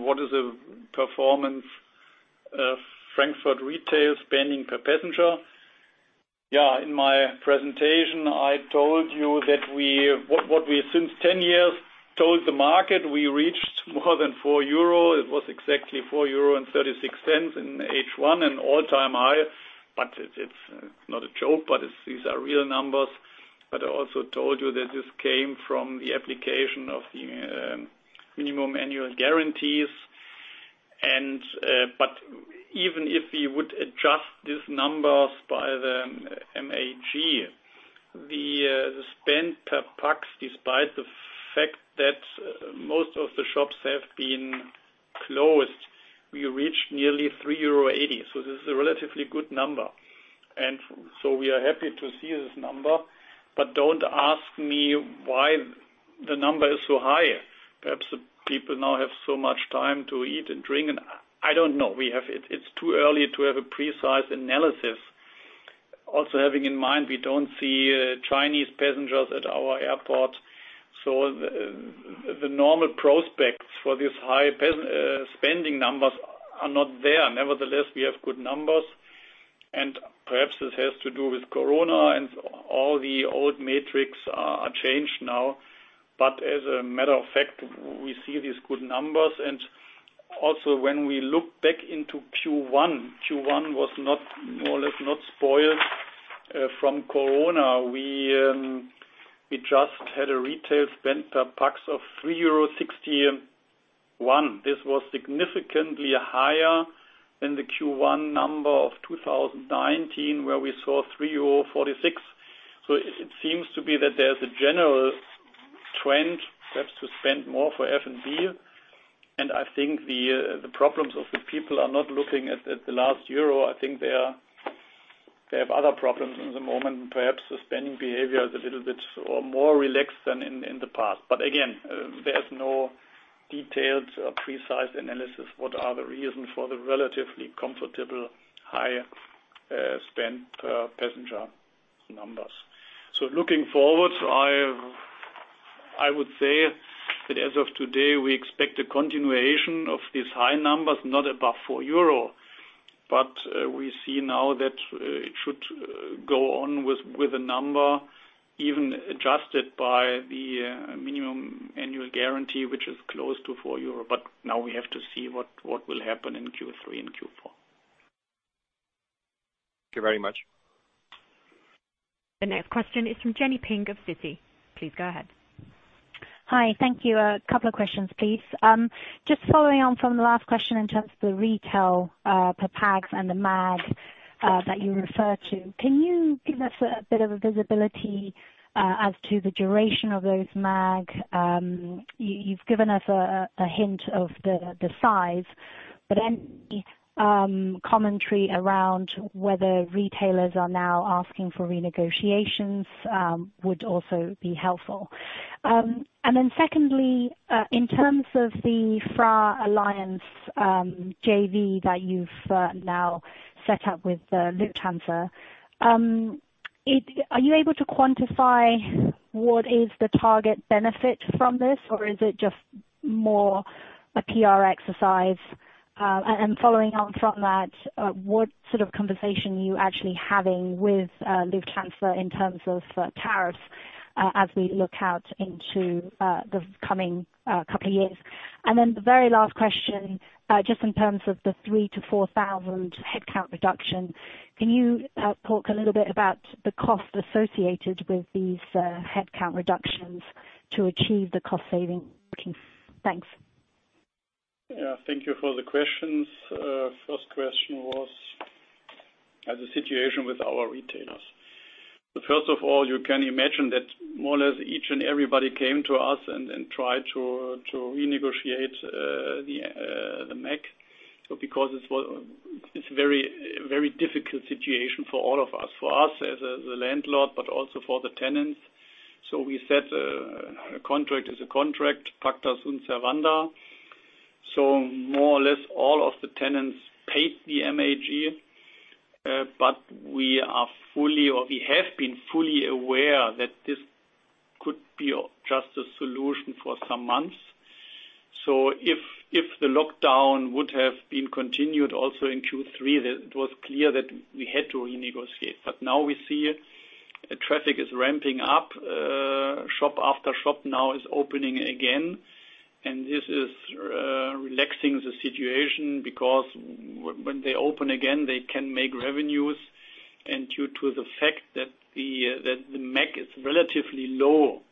what is the performance of Frankfurt retail spending per passenger? Yeah. In my presentation, I told you that what we since 10 years told the market, we reached more than 4 euro. It was exactly 4.36 euro in H1, an all-time high, but it's not a joke, but these are real numbers, but I also told you that this came from the application of the minimum annual guarantees, but even if we would adjust these numbers by the MAG, the spend per pax, despite the fact that most of the shops have been closed, we reached nearly 3.80 euro, so this is a relatively good number, and so we are happy to see this number. But don't ask me why the number is so high. Perhaps people now have so much time to eat and drink. And I don't know. It's too early to have a precise analysis. Also having in mind, we don't see Chinese passengers at our airport. So the normal prospects for these high spending numbers are not there. Nevertheless, we have good numbers. And perhaps this has to do with corona and all the old metrics are changed now. But as a matter of fact, we see these good numbers. And also when we look back into Q1, Q1 was more or less not spoiled from corona. We just had a retail spend per pax of 3.61 euro. This was significantly higher than the Q1 number of 2019, where we saw 3.46 euro. So it seems to be that there's a general trend perhaps to spend more for F&B. And I think the problems of the people are not looking at the last euro. I think they have other problems in the moment. Perhaps the spending behavior is a little bit more relaxed than in the past. But again, there's no detailed precise analysis what are the reason for the relatively comfortable high spend per passenger numbers. Looking forward, I would say that as of today, we expect a continuation of these high numbers, not above 4 euro. But we see now that it should go on with a number even adjusted by the minimum annual guarantee, which is close to 4 euro. But now we have to see what will happen in Q3 and Q4. Thank you very much. The next question is from Jenny Ping of Citi. Please go ahead. Hi. Thank you. A couple of questions, please. Just following on from the last question in terms of the retail per pax and the MAG that you referred to, can you give us a bit of visibility as to the duration of those MAG? You've given us a hint of the size, but any commentary around whether retailers are now asking for renegotiations would also be helpful. And then secondly, in terms of the FraAlliance JV that you've now set up with Lufthansa, are you able to quantify what is the target benefit from this, or is it just more a PR exercise? And following on from that, what sort of conversation are you actually having with Lufthansa in terms of tariffs as we look out into the coming couple of years? Then the very last question, just in terms of the three to four thousand headcount reduction, can you talk a little bit about the cost associated with these headcount reductions to achieve the cost saving? Thanks. Yeah. Thank you for the questions. First question was on the situation with our retailers. First of all, you can imagine that more or less each and everybody came to us and tried to renegotiate the MAG. So because it's a very difficult situation for all of us, for us as a landlord, but also for the tenants. So we said a contract is a contract, pacta sunt servanda. So more or less all of the tenants paid the MAG. But we are fully, or we have been fully aware that this could be just a solution for some months. So if the lockdown would have been continued also in Q3, it was clear that we had to renegotiate. But now we see traffic is ramping up. Shop after shop now is opening again. And this is relaxing the situation because when they open again, they can make revenues. And due to the fact that the MAG is relatively low,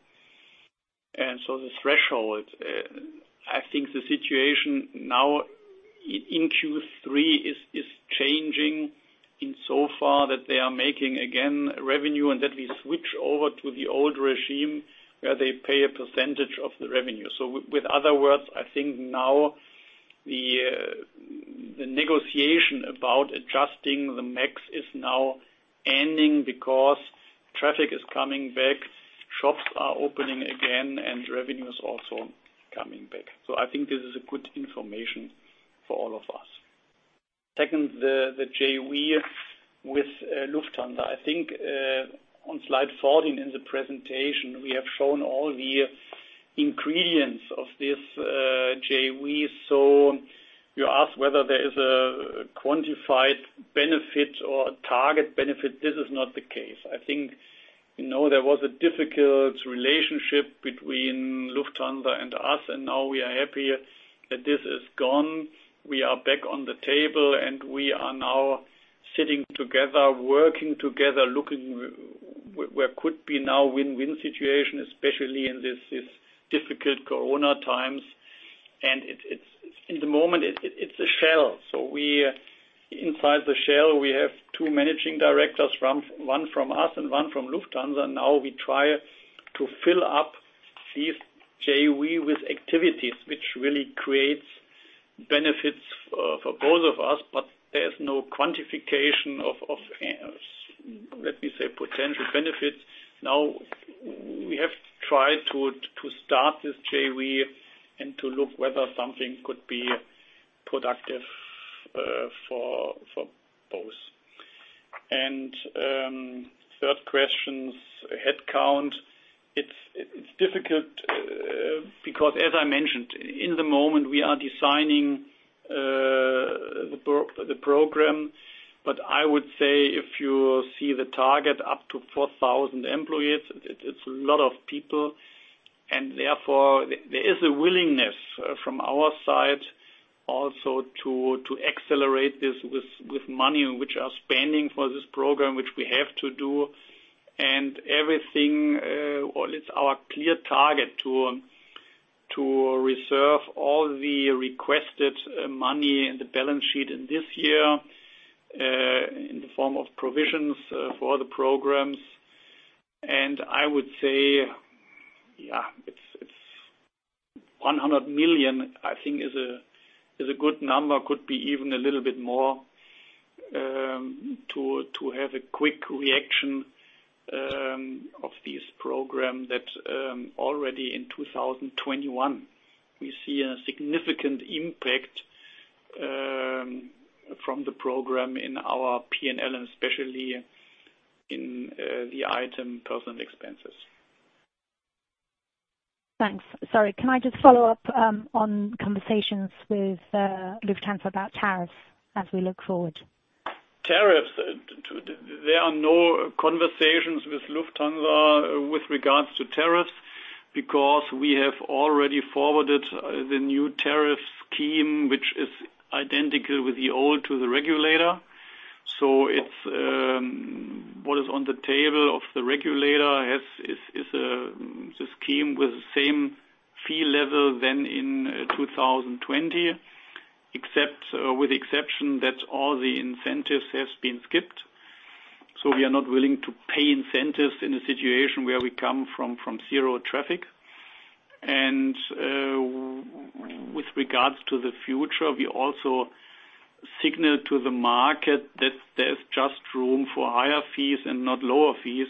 and so the threshold, I think the situation now in Q3 is changing in so far that they are making again revenue and that we switch over to the old regime where they pay a percentage of the revenue. So with other words, I think now the negotiation about adjusting the MAGs is now ending because traffic is coming back, shops are opening again, and revenues also coming back. So I think this is good information for all of us. Second, the JV with Lufthansa. I think on Slide 14 in the presentation, we have shown all the ingredients of this JV, so you asked whether there is a quantified benefit or target benefit. This is not the case. I think there was a difficult relationship between Lufthansa and us, and now we are happy that this is gone. We are back on the table, and we are now sitting together, working together, looking where could be now win-win situation, especially in these difficult corona times, and in the moment, it's a shell, so inside the shell, we have two managing directors, one from us and one from Lufthansa. Now we try to fill up these JV with activities, which really creates benefits for both of us, but there's no quantification of, let me say, potential benefits. Now we have tried to start this JV and to look whether something could be productive for both. Third questions, headcount. It's difficult because, as I mentioned, in the moment, we are designing the program. But I would say if you see the target up to 4,000 employees, it's a lot of people. And therefore, there is a willingness from our side also to accelerate this with money which are spending for this program, which we have to do. And everything, or it's our clear target to reserve all the requested money in the balance sheet in this year in the form of provisions for the programs. And I would say, yeah, it's 100 million, I think is a good number, could be even a little bit more to have a quick reaction of this program that already in 2021, we see a significant impact from the program in our P&L, and especially in the item personnel expenses. Thanks. Sorry. Can I just follow up on conversations with Lufthansa about tariffs as we look forward? Tariffs. There are no conversations with Lufthansa with regards to tariffs because we have already forwarded the new tariff scheme, which is identical with the old to the regulator. So what is on the table of the regulator is a scheme with the same fee level than in 2020, with the exception that all the incentives have been skipped. So we are not willing to pay incentives in a situation where we come from zero traffic. And with regards to the future, we also signal to the market that there's just room for higher fees and not lower fees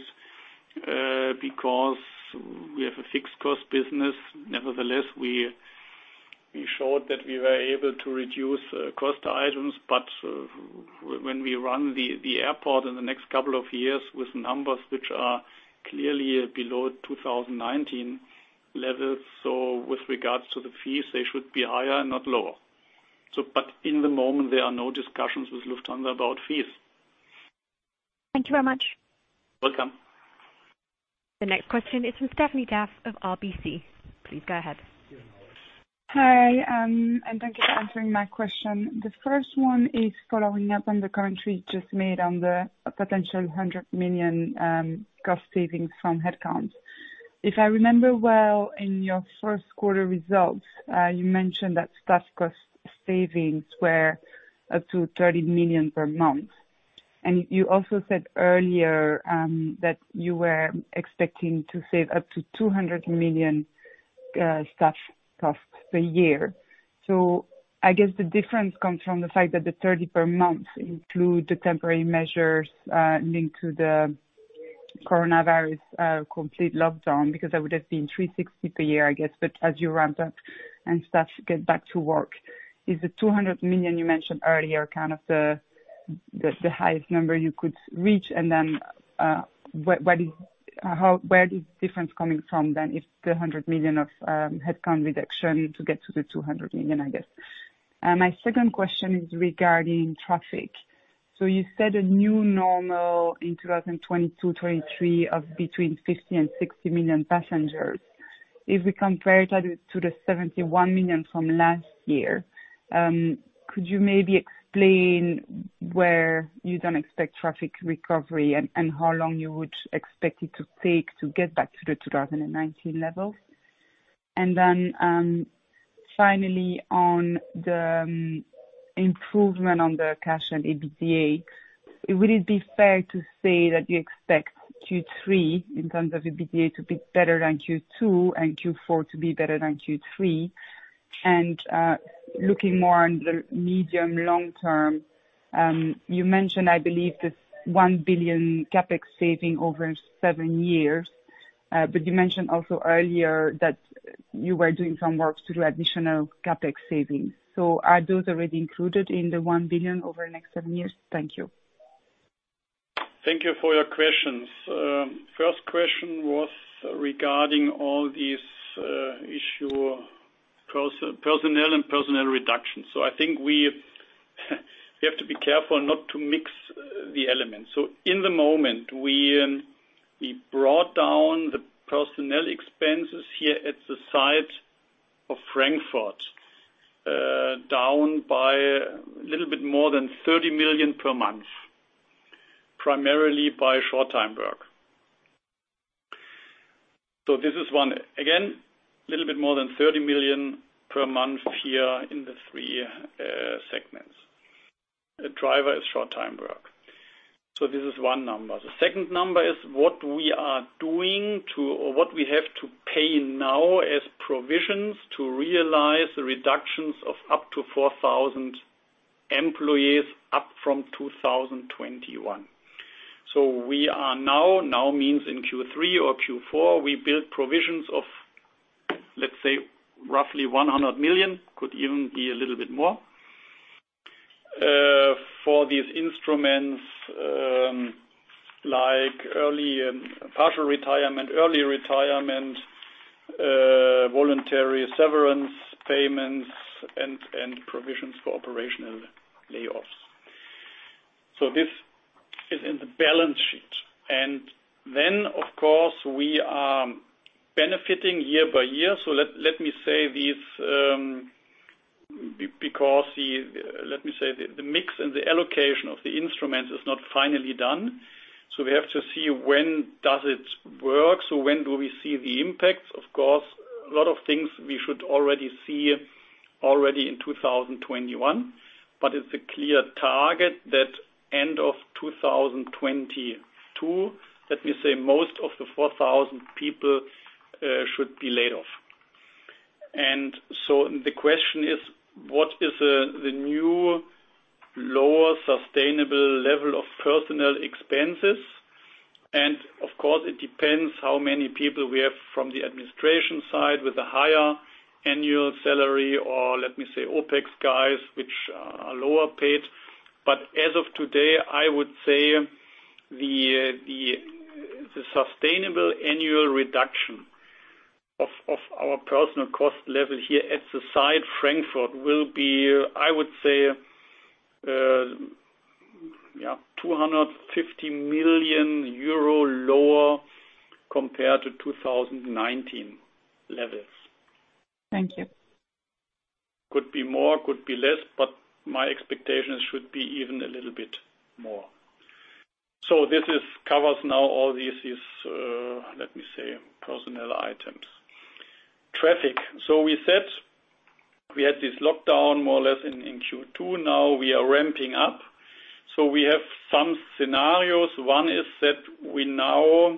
because we have a fixed cost business. Nevertheless, we showed that we were able to reduce cost items. But when we run the airport in the next couple of years with numbers which are clearly below 2019 levels, so with regards to the fees, they should be higher and not lower. But in the moment, there are no discussions with Lufthansa about fees. Thank you very much. Welcome. The next question is from Stéphanie D'Ath of RBC. Please go ahead. Hi. And thank you for answering my question. The first one is following up on the commentary you just made on the potential 100 million cost savings from headcounts. If I remember well, in your first quarter results, you mentioned that staff cost savings were up to 30 million per month. And you also said earlier that you were expecting to save up to 200 million staff costs per year. So I guess the difference comes from the fact that the 30 million per month include the temporary measures linked to the coronavirus complete lockdown because that would have been 360 million per year, I guess. But as you ramp up and staff get back to work, is the 200 million you mentioned earlier kind of the highest number you could reach? And then where is the difference coming from then if the 100 million of headcount reduction to get to the 200 million, I guess? My second question is regarding traffic. So you said a new normal in 2022, 2023 of between 50 million and 60 million passengers. If we compare it to the 71 million from last year, could you maybe explain where you don't expect traffic recovery and how long you would expect it to take to get back to the 2019 levels? Then finally, on the improvement on the cash and EBITDA, would it be fair to say that you expect Q3 in terms of EBITDA to be better than Q2 and Q4 to be better than Q3? And looking more on the medium-long term, you mentioned, I believe, this 1 billion CapEx saving over seven years. But you mentioned also earlier that you were doing some work to do additional CapEx savings. So are those already included in the 1 billion over the next seven years? Thank you. Thank you for your questions. First question was regarding all these issues of personnel and personnel reductions. So I think we have to be careful not to mix the elements. So in the moment, we brought down the personnel expenses here at the site of Frankfurt down by a little bit more than 30 million per month, primarily by short-time work. This is one. Again, a little bit more than 30 million per month here in the three segments. A driver is short-time work. This is one number. The second number is what we are doing to or what we have to pay now as provisions to realize the reductions of up to 4,000 employees up from 2021. We are now, now means in Q3 or Q4, we built provisions of, let's say, roughly 100 million, could even be a little bit more, for these instruments like early partial retirement, early retirement, voluntary severance payments, and provisions for operational layoffs. This is in the balance sheet. Then, of course, we are benefiting year-by-year. Let me say this, because let me say the mix and the allocation of the instruments is not finally done. We have to see when does it work. So when do we see the impacts? Of course, a lot of things we should already see in 2021. But it's a clear target that end of 2022, let me say, most of the 4,000 people should be laid off. And so the question is, what is the new lower sustainable level of personnel expenses? And of course, it depends how many people we have from the administration side with a higher annual salary or, let me say, OpEx guys, which are lower paid. But as of today, I would say the sustainable annual reduction of our personnel cost level here at the site Frankfurt will be, I would say, yeah, 250 million euro lower compared to 2019 levels. Thank you. Could be more, could be less, but my expectations should be even a little bit more. So this covers now all these, let me say, personnel items. Traffic. So we said we had this lockdown more or less in Q2. Now we are ramping up. So we have some scenarios. One is that we now,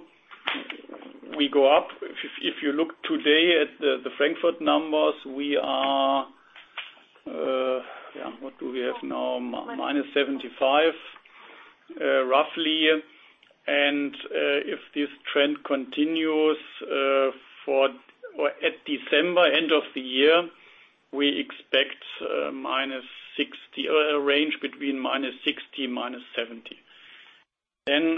we go up. If you look today at the Frankfurt numbers, we are, yeah, what do we have now? -75%, roughly. And if this trend continues up to December, end of the year, we expect -60%, a range between -60% and -70%. Then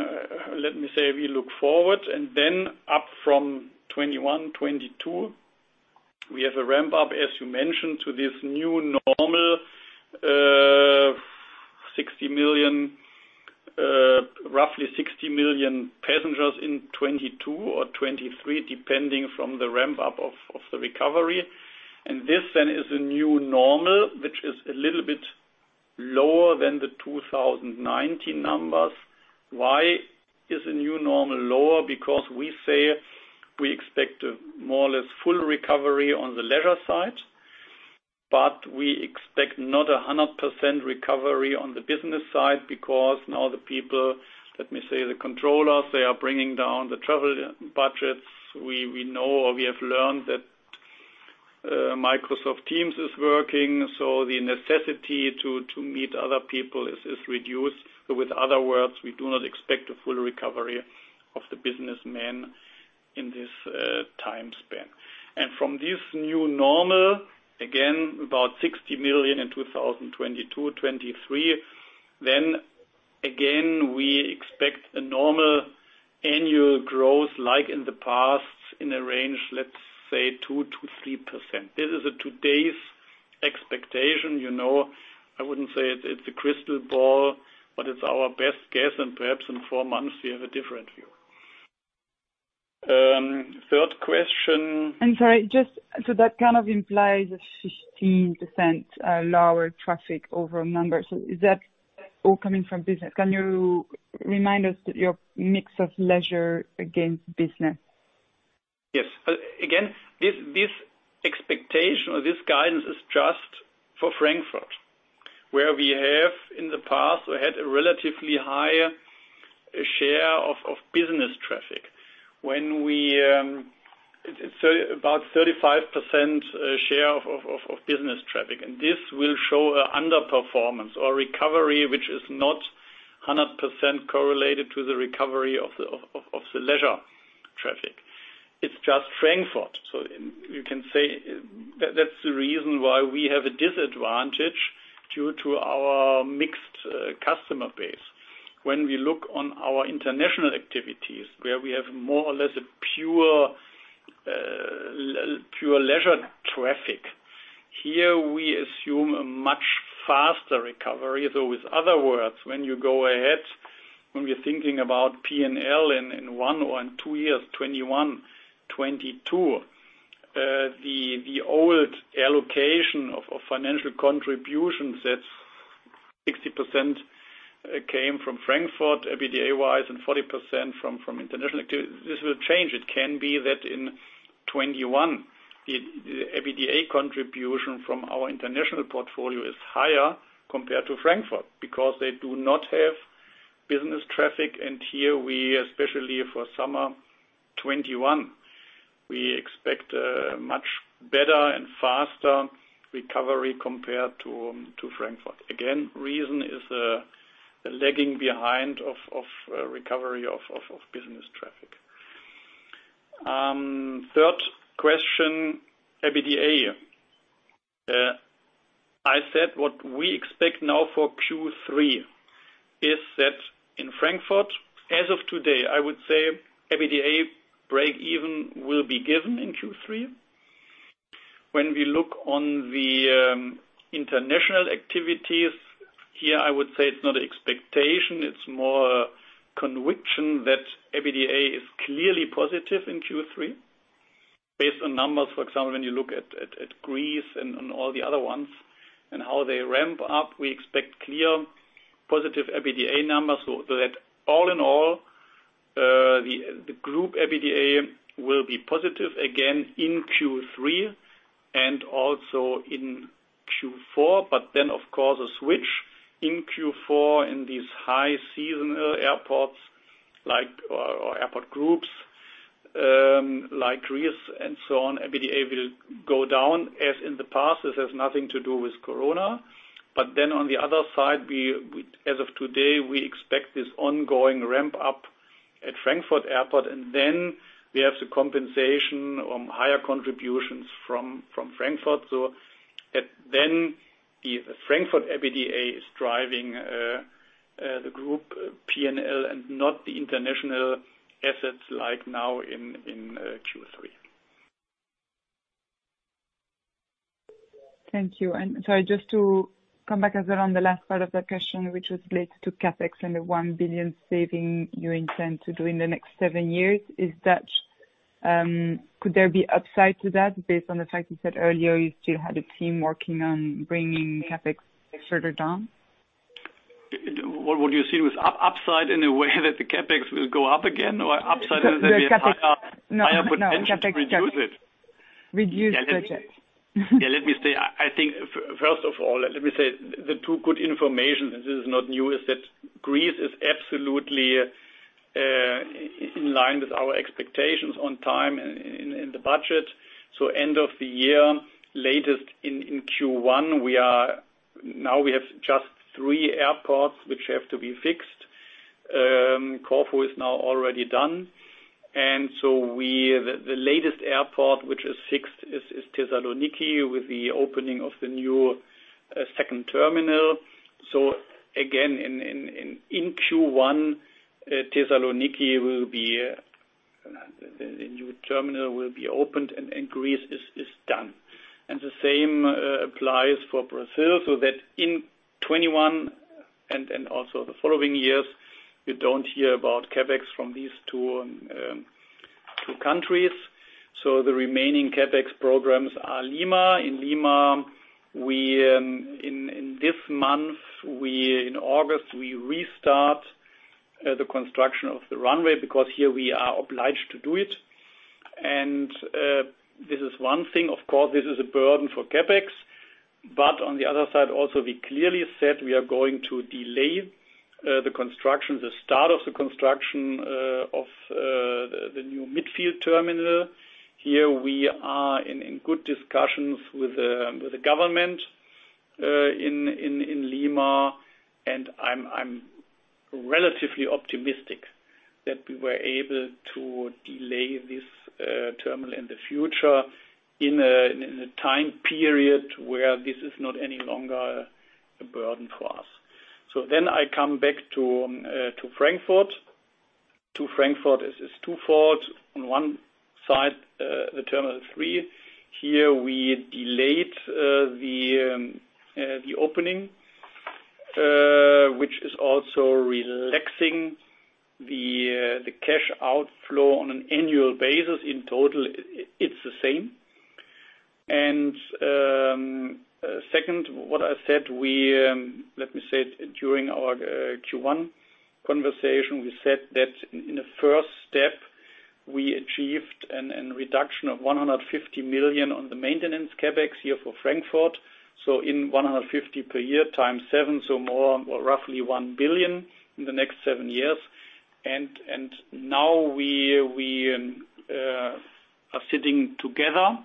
let me say we look forward. And then up from 2021, 2022, we have a ramp up, as you mentioned, to this new normal 60 million, roughly 60 million passengers in 2022 or 2023, depending on the ramp up of the recovery. And this then is a new normal, which is a little bit lower than the 2019 numbers. Why is a new normal lower? Because we say we expect more or less full recovery on the leisure side. But we expect not 100% recovery on the business side because now the people, let me say, the controllers, they are bringing down the travel budgets. We know or we have learned that Microsoft Teams is working. So the necessity to meet other people is reduced. So with other words, we do not expect a full recovery of the businessmen in this time span. And from this new normal, again, about 60 million in 2022, 2023, then again, we expect a normal annual growth like in the past in a range, let's say, 2%-3%. This is today's expectation. I wouldn't say it's a crystal ball, but it's our best guess. And perhaps in four months, we have a different view. Third question. I'm sorry. Just so that kind of implies a 15% lower traffic overall number. So is that all coming from business? Can you remind us that your mix of leisure against business? Yes. Again, this expectation or this guidance is just for Frankfurt, where we have in the past, we had a relatively higher share of business traffic. It's about 35% share of business traffic. And this will show an underperformance or recovery, which is not 100% correlated to the recovery of the leisure traffic. It's just Frankfurt. So you can say that's the reason why we have a disadvantage due to our mixed customer base. When we look on our international activities, where we have more or less a pure leisure traffic, here we assume a much faster recovery. In other words, when you go ahead, when we're thinking about P&L in one or two years, 2021, 2022, the old allocation of financial contributions that 60% came from Frankfurt EBITDA-wise and 40% from international activity, this will change. It can be that in 2021, the EBITDA contribution from our international portfolio is higher compared to Frankfurt because they do not have business traffic. And here, especially for summer 2021, we expect a much better and faster recovery compared to Frankfurt. Again, reason is the lagging behind of recovery of business traffic. Third question, EBITDA. I said what we expect now for Q3 is that in Frankfurt, as of today, I would say EBITDA break-even will be given in Q3. When we look on the international activities, here, I would say it's not an expectation. It's more a conviction that EBITDA is clearly positive in Q3. Based on numbers, for example, when you look at Greece and all the other ones and how they ramp up, we expect clear positive EBITDA numbers. So that all in all, the group EBITDA will be positive again in Q3 and also in Q4. But then, of course, a switch in Q4 in these high-season airports or airport groups like Greece and so on, EBITDA will go down as in the past. This has nothing to do with corona. But then on the other side, as of today, we expect this ongoing ramp up at Frankfurt Airport. And then we have the compensation on higher contributions from Frankfurt. So then the Frankfurt EBITDA is driving the group P&L and not the international assets like now in Q3. Thank you. Sorry, just to come back a bit on the last part of that question, which was related to CapEx and the one billion saving you intend to do in the next seven years. Could there be upside to that based on the fact you said earlier you still had a team working on bringing CapEx further down? What do you see with upside in a way that the CapEx will go up again or upside in that they have higher potential to reduce it? Reduce budget. Yeah, let me say, I think first of all, let me say the two good information, and this is not new, is that Greece is absolutely in line with our expectations on time and in the budget. So end of the year, latest in Q1, now we have just three airports which have to be fixed. Corfu is now already done. And so the latest airport which is fixed is Thessaloniki with the opening of the new second terminal. So again, in Q1, Thessaloniki will be the new terminal will be opened and Greece is done. And the same applies for Brazil. So that in 2021 and also the following years, you don't hear about CapEx from these two countries. So the remaining CapEx programs are Lima. In Lima, in this month, in August, we restart the construction of the runway because here we are obliged to do it. And this is one thing. Of course, this is a burden for CapEx. But on the other side also, we clearly said we are going to delay the construction, the start of the construction of the new midfield terminal. Here we are in good discussions with the government in Lima. I'm relatively optimistic that we were able to delay this terminal in the future in a time period where this is not any longer a burden for us. So then I come back to Frankfurt. To Frankfurt is twofold. On one side, the Terminal 3. Here we delayed the opening, which is also relaxing the cash outflow on an annual basis. In total, it's the same. And second, what I said, let me say during our Q1 conversation, we said that in the first step, we achieved a reduction of 150 million on the maintenance CapEx here for Frankfurt. So in 150 million per year times seven, so roughly one billion in the next seven years. And now we are sitting together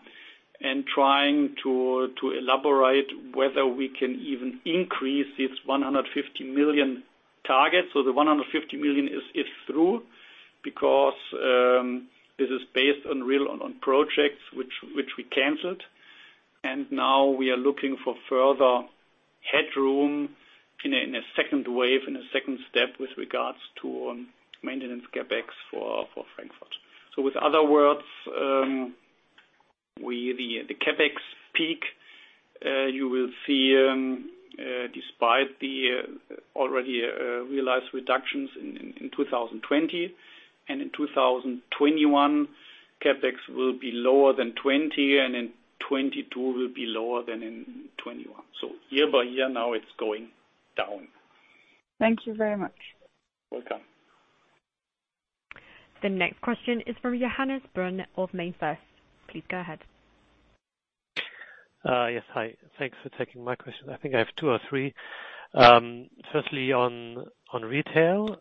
and trying to elaborate whether we can even increase this 150 million target. So the 150 million is through because this is based on projects which we canceled. Now we are looking for further headroom in a second wave, in a second step with regards to maintenance CapEx for Frankfurt. In other words, the CapEx peak you will see despite the already realized reductions in 2020. In 2021, CapEx will be lower than 2020, and in 2022 will be lower than in 2021. Year by year, now it's going down. Thank you very much. Welcome. The next question is from Johannes Braun of MainFirst. Please go ahead. Yes. Hi. Thanks for taking my question. I think I have two or three. Firstly, on retail,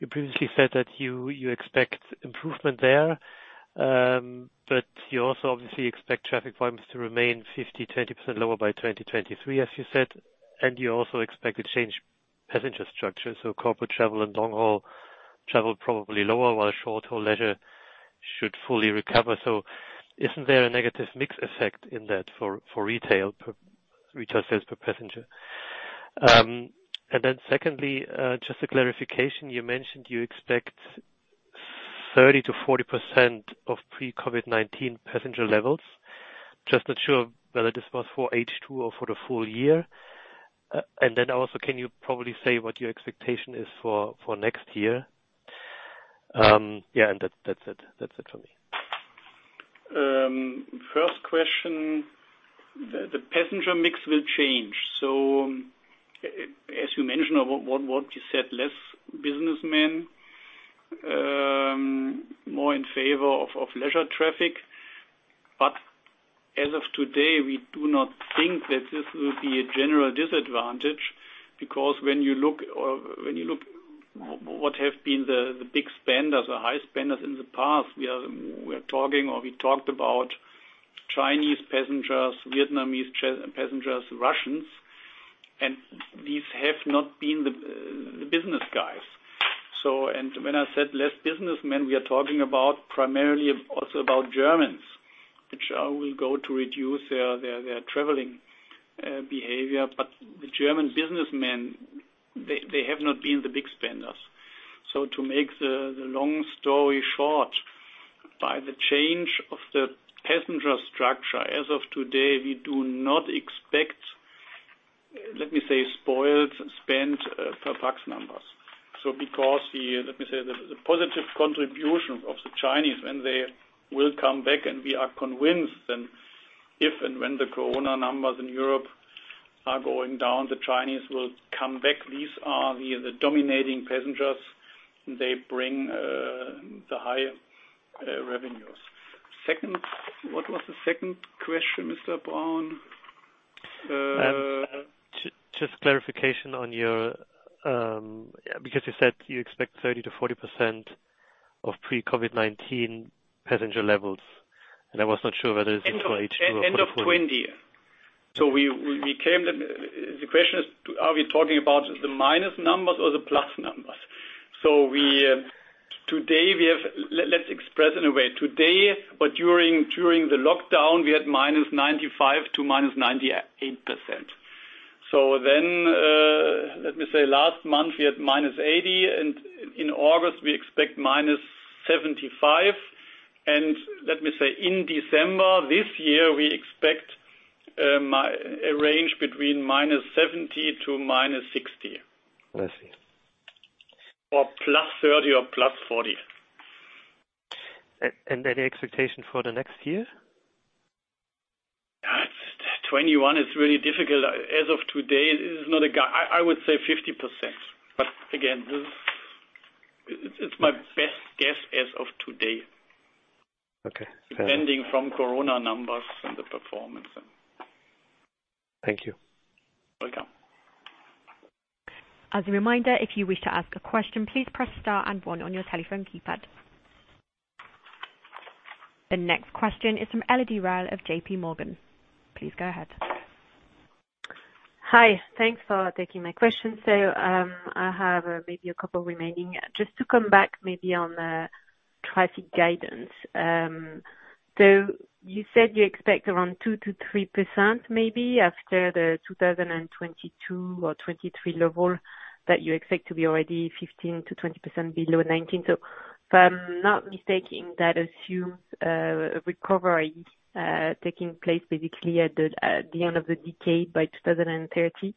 you previously said that you expect improvement there, but you also obviously expect traffic volumes to remain 50-20% lower by 2023, as you said. You also expect to change passenger structure. Corporate travel and long-haul travel probably lower, while short-haul leisure should fully recover. Isn't there a negative mix effect in that for retail sales per passenger? And then secondly, just a clarification, you mentioned you expect 30%-40% of pre-COVID-19 passenger levels. Just not sure whether this was for H2 or for the full year. And then also, can you probably say what your expectation is for next year? Yeah. And that's it. That's it for me. First question, the passenger mix will change. So as you mentioned, what you said, less businessmen, more in favor of leisure traffic. But as of today, we do not think that this will be a general disadvantage because when you look at what have been the big spenders or high spenders in the past, we are talking or we talked about Chinese passengers, Vietnamese passengers, Russians. And these have not been the business guys. When I said less businessmen, we are talking primarily also about Germans, which will go to reduce their traveling behavior. But the German businessmen, they have not been the big spenders. So to make the long story short, by the change of the passenger structure as of today, we do not expect, let me say, spoiled spend per pax numbers. So because, let me say, the positive contribution of the Chinese when they will come back, and we are convinced that if and when the corona numbers in Europe are going down, the Chinese will come back. These are the dominating passengers. They bring the high revenues. What was the second question, Mr. Braun? Just clarification on your because you said you expect 30%-40% of pre-COVID-19 passenger levels. And I was not sure whether it's for H2 or for H3. End of 2020. The question is, are we talking about the minus numbers or the plus numbers? Today, let's express in a way. Today, but during the lockdown, we had -95% to -98%. So then, let me say, last month, we had -80%. And in August, we expect -75%. And let me say, in December this year, we expect a range between -70% to -60% or +30% or +40%. And any expectation for the next year? 2021 is really difficult. As of today, it is not a I would say 50%. But again, it's my best guess as of today, depending from corona numbers and the performance. Thank you. Welcome. As a reminder, if you wish to ask a question, please press star and one on your telephone keypad. The next question is from Elodie Rall of J.P. Morgan. Please go ahead. Hi. Thanks for taking my question. I have maybe a couple remaining. Just to come back maybe on traffic guidance. You said you expect around 2%-3% maybe after the 2022 or 2023 level that you expect to be already 15%-20% below 2019. If I'm not mistaken, that assumes a recovery taking place basically at the end of the decade by 2030.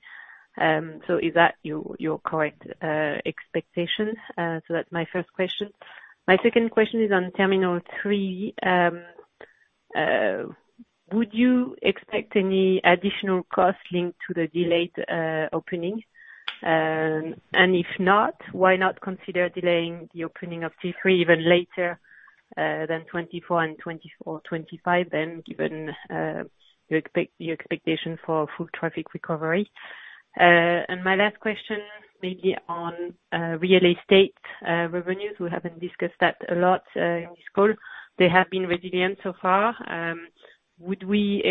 Is that your correct expectation? That's my first question. My second question is on Terminal 3. Would you expect any additional cost linked to the delayed opening? And if not, why not consider delaying the opening of T3 even later than 2024 or 2025, then given your expectation for full traffic recovery? And my last question maybe on real estate revenues. We haven't discussed that a lot in this call. They have been resilient so far. Should we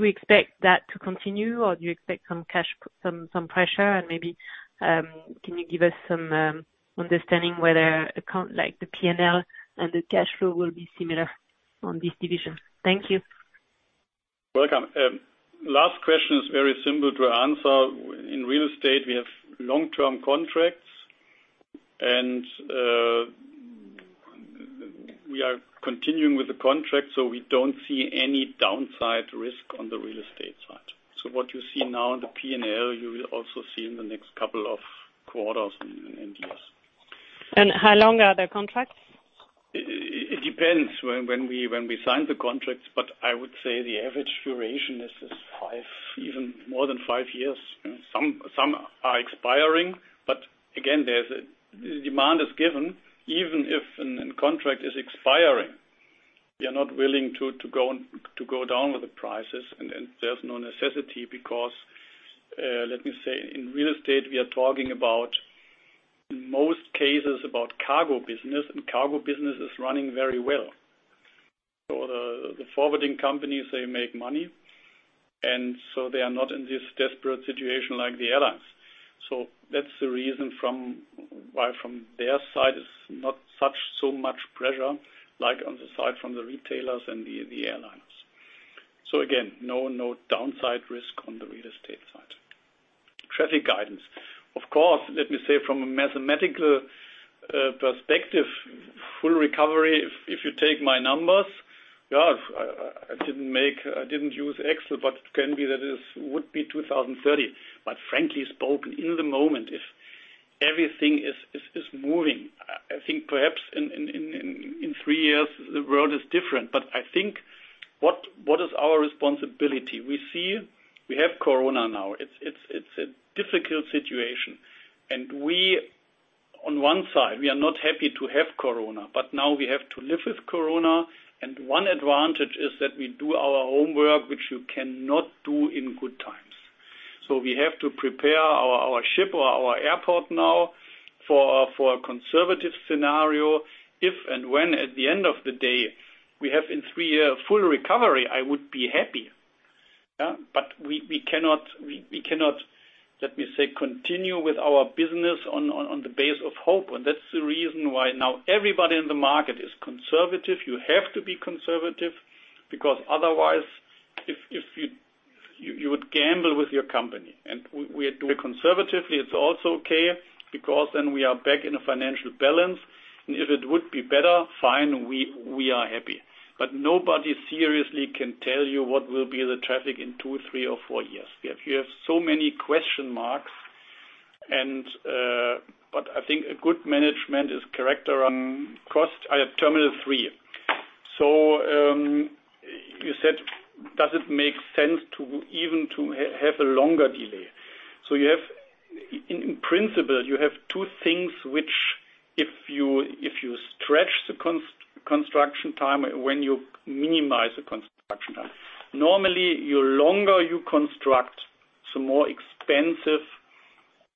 expect that to continue, or do you expect some pressure? And maybe can you give us some understanding whether the P&L and the cash flow will be similar on this division? Thank you. Welcome. Last question is very simple to answer. In real estate, we have long-term contracts, and we are continuing with the contract. So we don't see any downside risk on the real estate side. So what you see now in the P&L, you will also see in the next couple of quarters and years. And how long are the contracts? It depends when we sign the contracts. But I would say the average duration is even more than five years. Some are expiring. But again, the demand is given. Even if a contract is expiring, we are not willing to go down with the prices. There's no necessity because, let me say, in real estate, we are talking about, in most cases, about cargo business. Cargo business is running very well. So the forwarding companies, they make money. And so they are not in this desperate situation like the airlines. So that's the reason why from their side is not so much pressure like on the side from the retailers and the airliners. So again, no downside risk on the real estate side. Traffic guidance. Of course, let me say from a mathematical perspective, full recovery, if you take my numbers, yeah, I didn't use Excel, but it can be that it would be 2030. But frankly spoken, in the moment, if everything is moving, I think perhaps in three years, the world is different. But I think what is our responsibility? We have corona now. It's a difficult situation. And on one side, we are not happy to have corona, but now we have to live with corona. And one advantage is that we do our homework, which you cannot do in good times. So we have to prepare our ship or our airport now for a conservative scenario. If and when at the end of the day we have in three years full recovery, I would be happy. But we cannot, let me say, continue with our business on the basis of hope. And that's the reason why now everybody in the market is conservative. You have to be conservative because otherwise, you would gamble with your company. And we are doing conservatively. It's also okay because then we are back in a financial balance. And if it would be better, fine, we are happy. But nobody seriously can tell you what will be the traffic in two, three, or four years. You have so many question marks. But I think good management is character. Cross Terminal 3. So you said, does it make sense even to have a longer delay? So in principle, you have two things which, if you stretch the construction time when you minimize the construction time. Normally, the longer you construct, the more expensive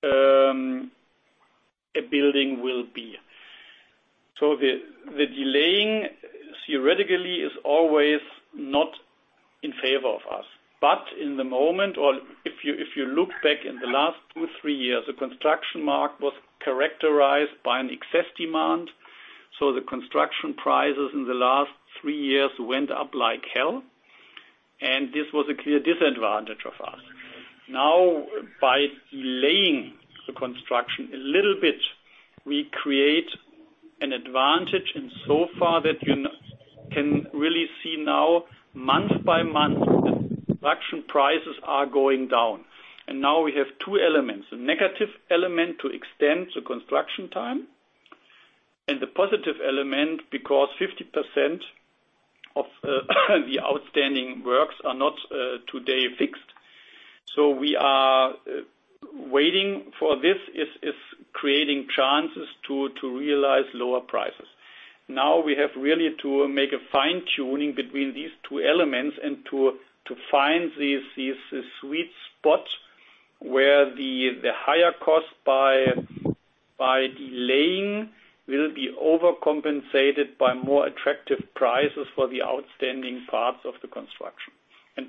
a building will be. So the delaying, theoretically, is always not in favor of us. But in the moment, or if you look back in the last two, three years, the construction market was characterized by an excess demand. So the construction prices in the last three years went up like hell. And this was a clear disadvantage of us. Now, by delaying the construction a little bit, we create an advantage in so far that you can really see now, month by month, the construction prices are going down, and now we have two elements: a negative element to extend the construction time and the positive element because 50% of the outstanding works are not today fixed, so waiting for this is creating chances to realize lower prices. Now we have really to make a fine-tuning between these two elements and to find this sweet spot where the higher cost by delaying will be overcompensated by more attractive prices for the outstanding parts of the construction, and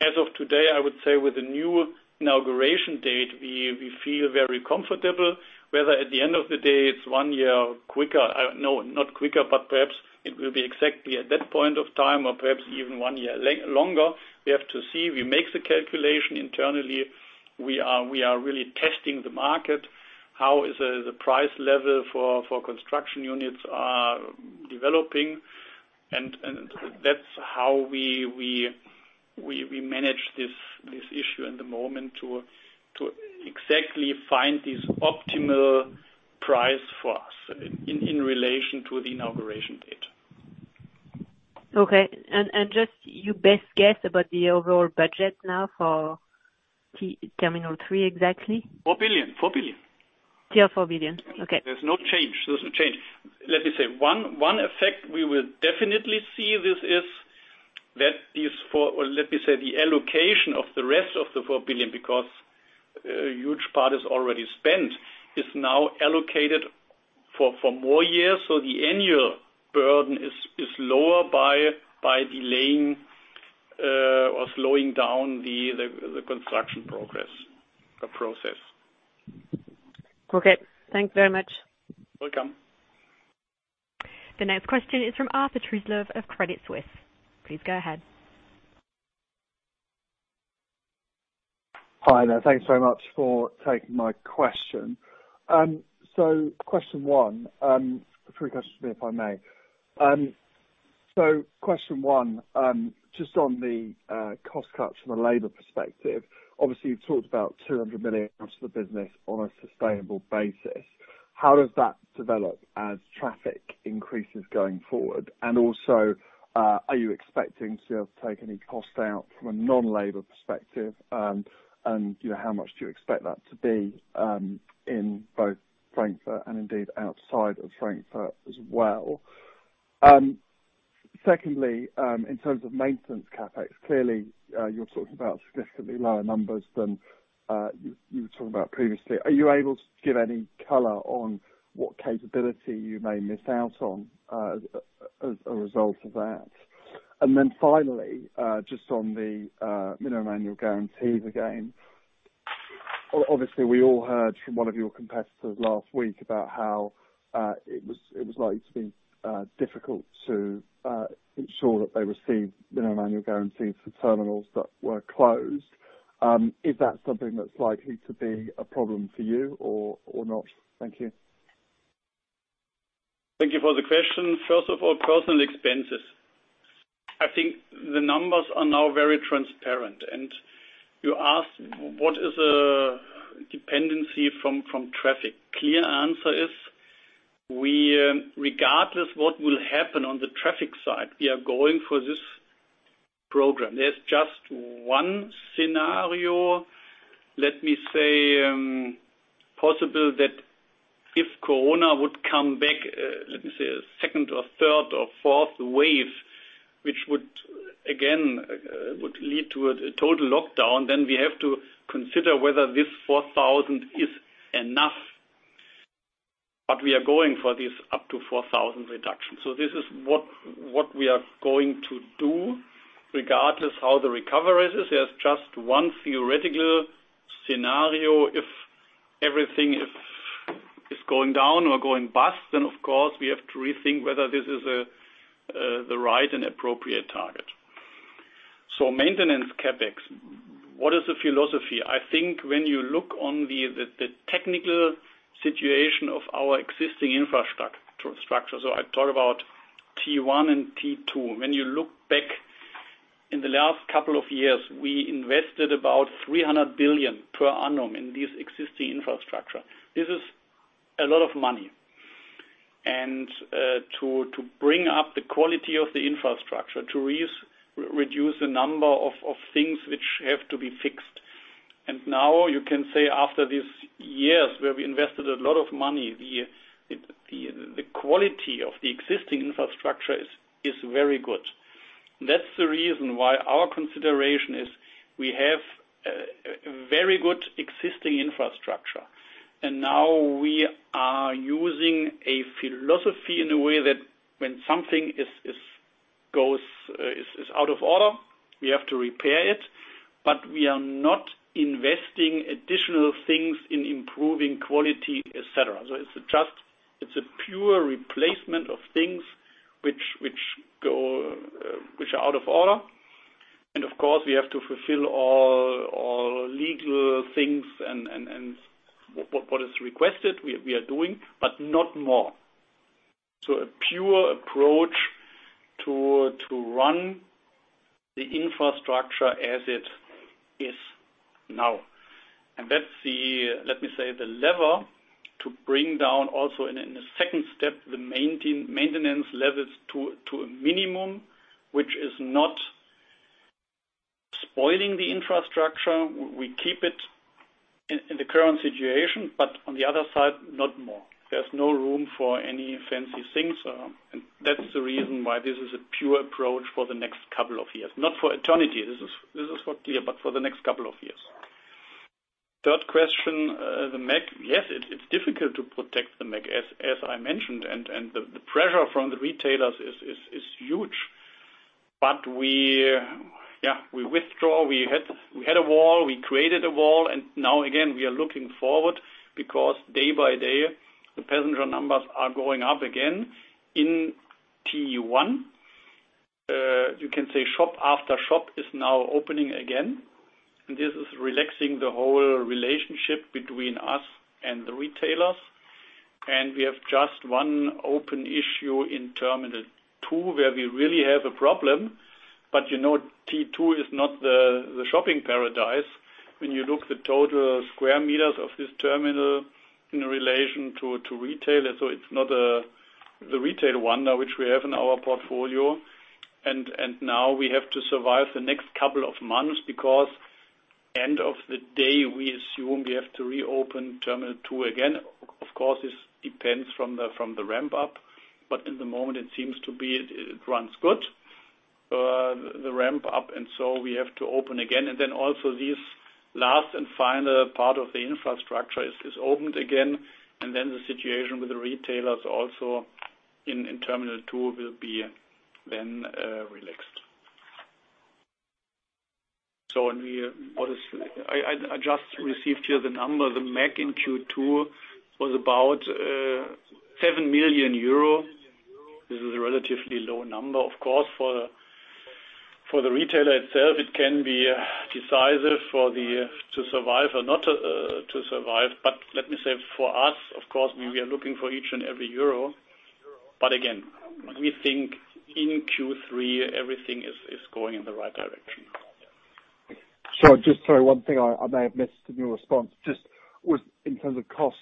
as of today, I would say with the new inauguration date, we feel very comfortable. Whether at the end of the day, it's one year quicker, no, not quicker, but perhaps it will be exactly at that point of time or perhaps even one year longer. We have to see. We make the calculation internally. We are really testing the market. How is the price level for construction units developing? And that's how we manage this issue in the moment to exactly find this optimal price for us in relation to the inauguration date. Okay. And just your best guess about the overall budget now for Terminal 3 exactly? 4 billion. 4 billion. Still 4 billion. Okay. There's no change. There's no change. Let me say, one effect we will definitely see this is that these, let me say, the allocation of the rest of the 4 billion because a huge part is already spent, is now allocated for more years. So the annual burden is lower by delaying or slowing down the construction process. Okay. Thanks very much. Welcome. The next question is from Arthur Truslove of Credit Suisse. Please go ahead. Hi. Thanks very much for taking my question. So question one - three questions if I may. So question one, just on the cost cuts from a labor perspective, obviously, you've talked about 200 million out of the business on a sustainable basis. How does that develop as traffic increases going forward? And also, are you expecting to take any cost out from a non-labor perspective? And how much do you expect that to be in both Frankfurt and indeed outside of Frankfurt as well? Secondly, in terms of maintenance CapEx, clearly, you're talking about significantly lower numbers than you were talking about previously. Are you able to give any color on what capability you may miss out on as a result of that? And then finally, just on the minimum annual guarantees again, obviously, we all heard from one of your competitors last week about how it was likely to be difficult to ensure that they receive minimum annual guarantees for terminals that were closed. Is that something that's likely to be a problem for you or not? Thank you. Thank you for the question. First of all, OpEx. I think the numbers are now very transparent. And you asked, what is a dependency from traffic? Clear answer is, regardless of what will happen on the traffic side, we are going for this program. There's just one scenario, let me say, possible that if corona would come back, let me say, second or third or fourth wave, which would, again, lead to a total lockdown, then we have to consider whether this 4,000 is enough. But we are going for this up to 4,000 reduction. So this is what we are going to do regardless of how the recovery is. There's just one theoretical scenario. If everything is going down or going bust, then, of course, we have to rethink whether this is the right and appropriate target. So maintenance capex, what is the philosophy? I think when you look on the technical situation of our existing infrastructure, so I talk about T1 and T2, when you look back in the last couple of years, we invested about 300 billion per annum in this existing infrastructure. This is a lot of money. And to bring up the quality of the infrastructure, to reduce the number of things which have to be fixed. And now you can say after these years where we invested a lot of money, the quality of the existing infrastructure is very good. That's the reason why our consideration is we have very good existing infrastructure. And now we are using a philosophy in a way that when something goes out of order, we have to repair it. But we are not investing additional things in improving quality, etc. So it's a pure replacement of things which are out of order. And of course, we have to fulfill all legal things and what is requested we are doing, but not more. So a pure approach to run the infrastructure as it is now. That's, let me say, the lever to bring down also in a second step the maintenance levels to a minimum, which is not spoiling the infrastructure. We keep it in the current situation, but on the other side, not more. There's no room for any fancy things. That's the reason why this is a pure approach for the next couple of years. Not for eternity. This is clear, but for the next couple of years. Third question, the MAG. Yes, it's difficult to protect the MAG, as I mentioned. The pressure from the retailers is huge. But yeah, we withstood. We had a wall. We created a wall. Now, again, we are looking forward because day by day, the passenger numbers are going up again in T1. You can say shop after shop is now opening again. And this is relaxing the whole relationship between us and the retailers. And we have just one open issue in Terminal 2 where we really have a problem. But T2 is not the shopping paradise. When you look at the total square meters of this terminal in relation to retail, so it's not the retail one which we have in our portfolio. And now we have to survive the next couple of months because end of the day, we assume we have to reopen Terminal 2 again. Of course, this depends from the ramp-up. But in the moment, it seems to be it runs good, the ramp-up. And so we have to open again. And then also this last and final part of the infrastructure is opened again. And then the situation with the retailers also in Terminal 2 will be then relaxed. So, what is it? I just received here the number. The MAG in Q2 was about seven million EUR. This is a relatively low number. Of course, for the retailer itself, it can be decisive to survive or not to survive. But let me say for us, of course, we are looking for each and every euro. But again, we think in Q3, everything is going in the right direction. Sorry, just one thing I may have missed in your response. Just in terms of cost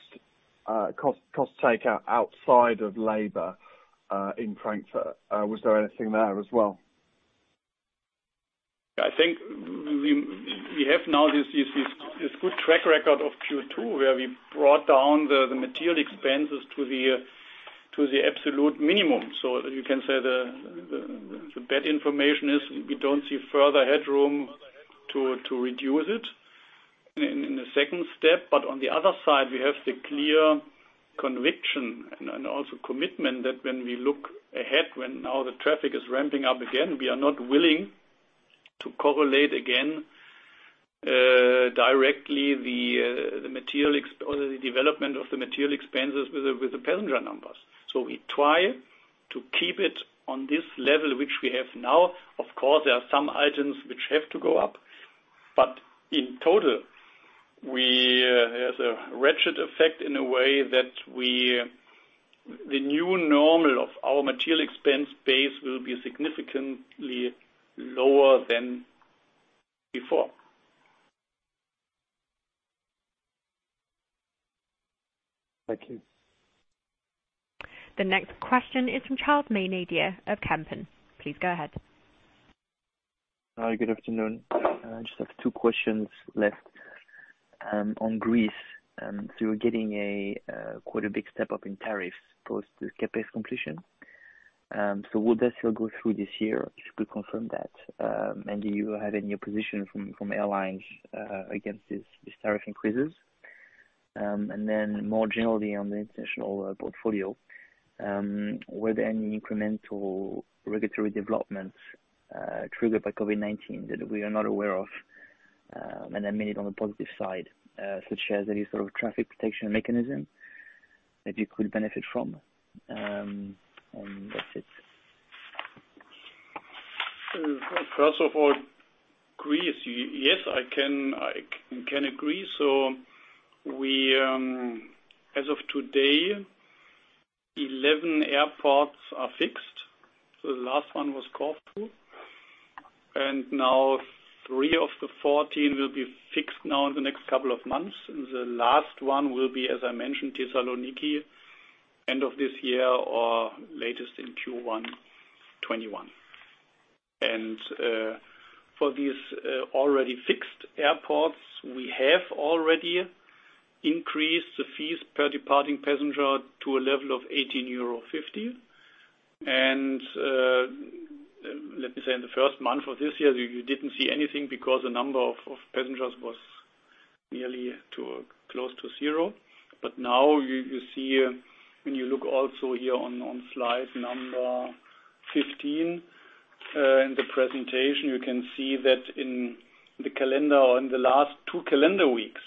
takeout outside of labor in Frankfurt, was there anything there as well? I think we have now this good track record of Q2 where we brought down the material expenses to the absolute minimum. So you can say the bad information is we don't see further headroom to reduce it in the second step. But on the other side, we have the clear conviction and also commitment that when we look ahead, when now the traffic is ramping up again, we are not willing to correlate again directly the development of the material expenses with the passenger numbers. So we try to keep it on this level which we have now. Of course, there are some items which have to go up. But in total, there's a ratchet effect in a way that the new normal of our material expense base will be significantly lower than before. Thank you. The next question is from Charles Maynadier of Kempen. Please go ahead. Hi. Good afternoon. I just have two questions left on Greece. So you're getting quite a big step up in tariffs post CapEx completion. So will that still go through this year if you could confirm that? Do you have any opposition from airlines against these tariff increases? And then more generally on the international portfolio, were there any incremental regulatory developments triggered by COVID-19 that we are not aware of and admitted on the positive side, such as any sort of traffic protection mechanism that you could benefit from? And that's it. First of all, Greece, yes, I can agree. So as of today, 11 airports are fixed. So the last one was Corfu. And now three of the 14 will be fixed now in the next couple of months. And the last one will be, as I mentioned, Thessaloniki end of this year or latest in Q1 2021. And for these already fixed airports, we have already increased the fees per departing passenger to a level of 18.50 euro. And let me say, in the first month of this year, you didn't see anything because the number of passengers was nearly close to zero. But now you see, when you look also here on slide number 15 in the presentation, you can see that in the calendar or in the last two calendar weeks.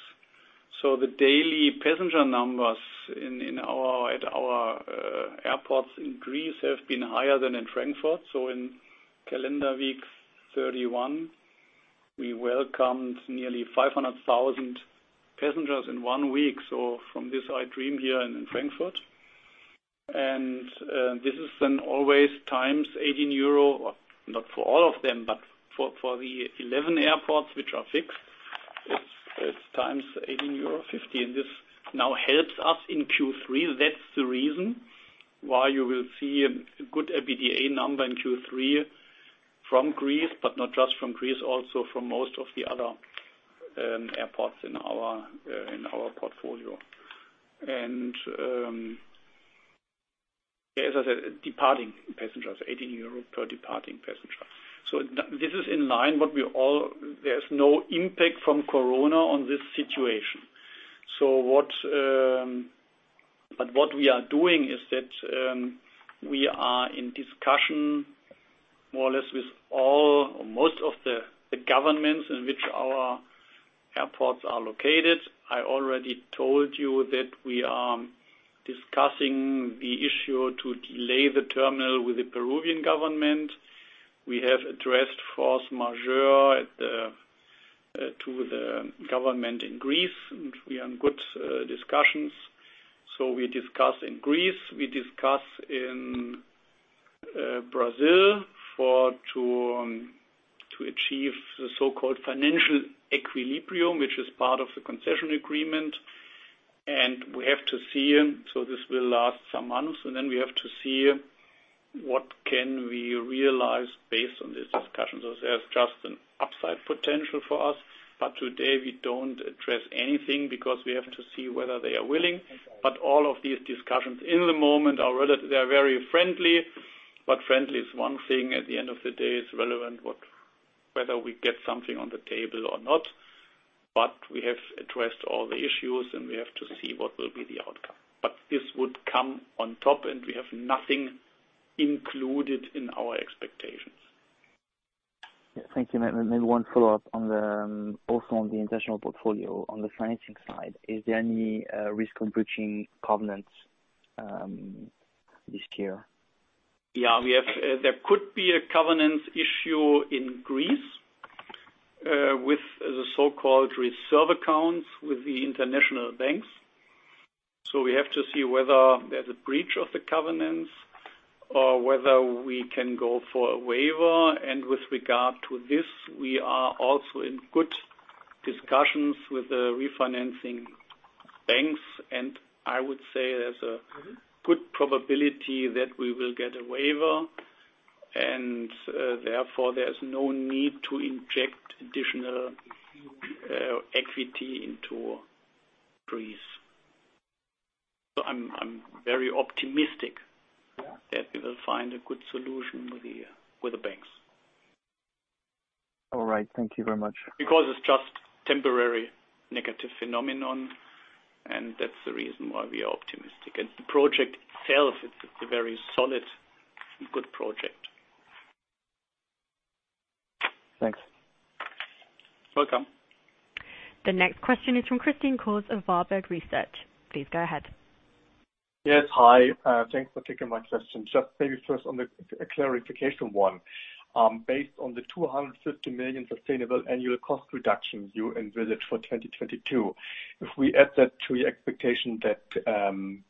So the daily passenger numbers at our airports in Greece have been higher than in Frankfurt. So in calendar week 31, we welcomed nearly 500,000 passengers in one week. So from this, I dream here in Frankfurt. And this is then always times 18 euro, not for all of them, but for the 11 airports which are fixed, it's times 18.50 euro. And this now helps us in Q3. That's the reason why you will see a good EBITDA number in Q3 from Greece, but not just from Greece, also from most of the other airports in our portfolio. And as I said, departing passengers, 18 euro per departing passenger. So this is in line what we all there's no impact from corona on this situation. But what we are doing is that we are in discussion more or less with all or most of the governments in which our airports are located. I already told you that we are discussing the issue to delay the terminal with the Peruvian government. We have addressed force majeure to the government in Greece. We are in good discussions. So we discuss in Greece. We discuss in Brazil to achieve the so-called financial equilibrium, which is part of the concession agreement. And we have to see so this will last some months. We have to see what we can realize based on these discussions. So there's just an upside potential for us. But today, we don't address anything because we have to see whether they are willing. But all of these discussions in the moment are very friendly. But friendly is one thing. At the end of the day, it's relevant whether we get something on the table or not. But we have addressed all the issues, and we have to see what will be the outcome. But this would come on top, and we have nothing included in our expectations. Thank you. Maybe one follow-up also on the international portfolio. On the financing side, is there any risk of breaching covenants this year? Yeah. There could be a covenants issue in Greece with the so-called reserve accounts with the international banks. So we have to see whether there's a breach of the covenants or whether we can go for a waiver. And with regard to this, we are also in good discussions with the refinancing banks. And I would say there's a good probability that we will get a waiver. And therefore, there's no need to inject additional equity into Greece. So I'm very optimistic that we will find a good solution with the banks. All right. Thank you very much. Because it's just temporary negative phenomenon. And that's the reason why we are optimistic. And the project itself, it's a very solid and good project. Thanks. Welcome. The next question is from Christian Cohrs of Warburg Research. Please go ahead. Yes. Hi. Thanks for taking my question. Just maybe first on the clarification one. Based on the 250 million sustainable annual cost reduction you envisaged for 2022, if we add that to your expectation that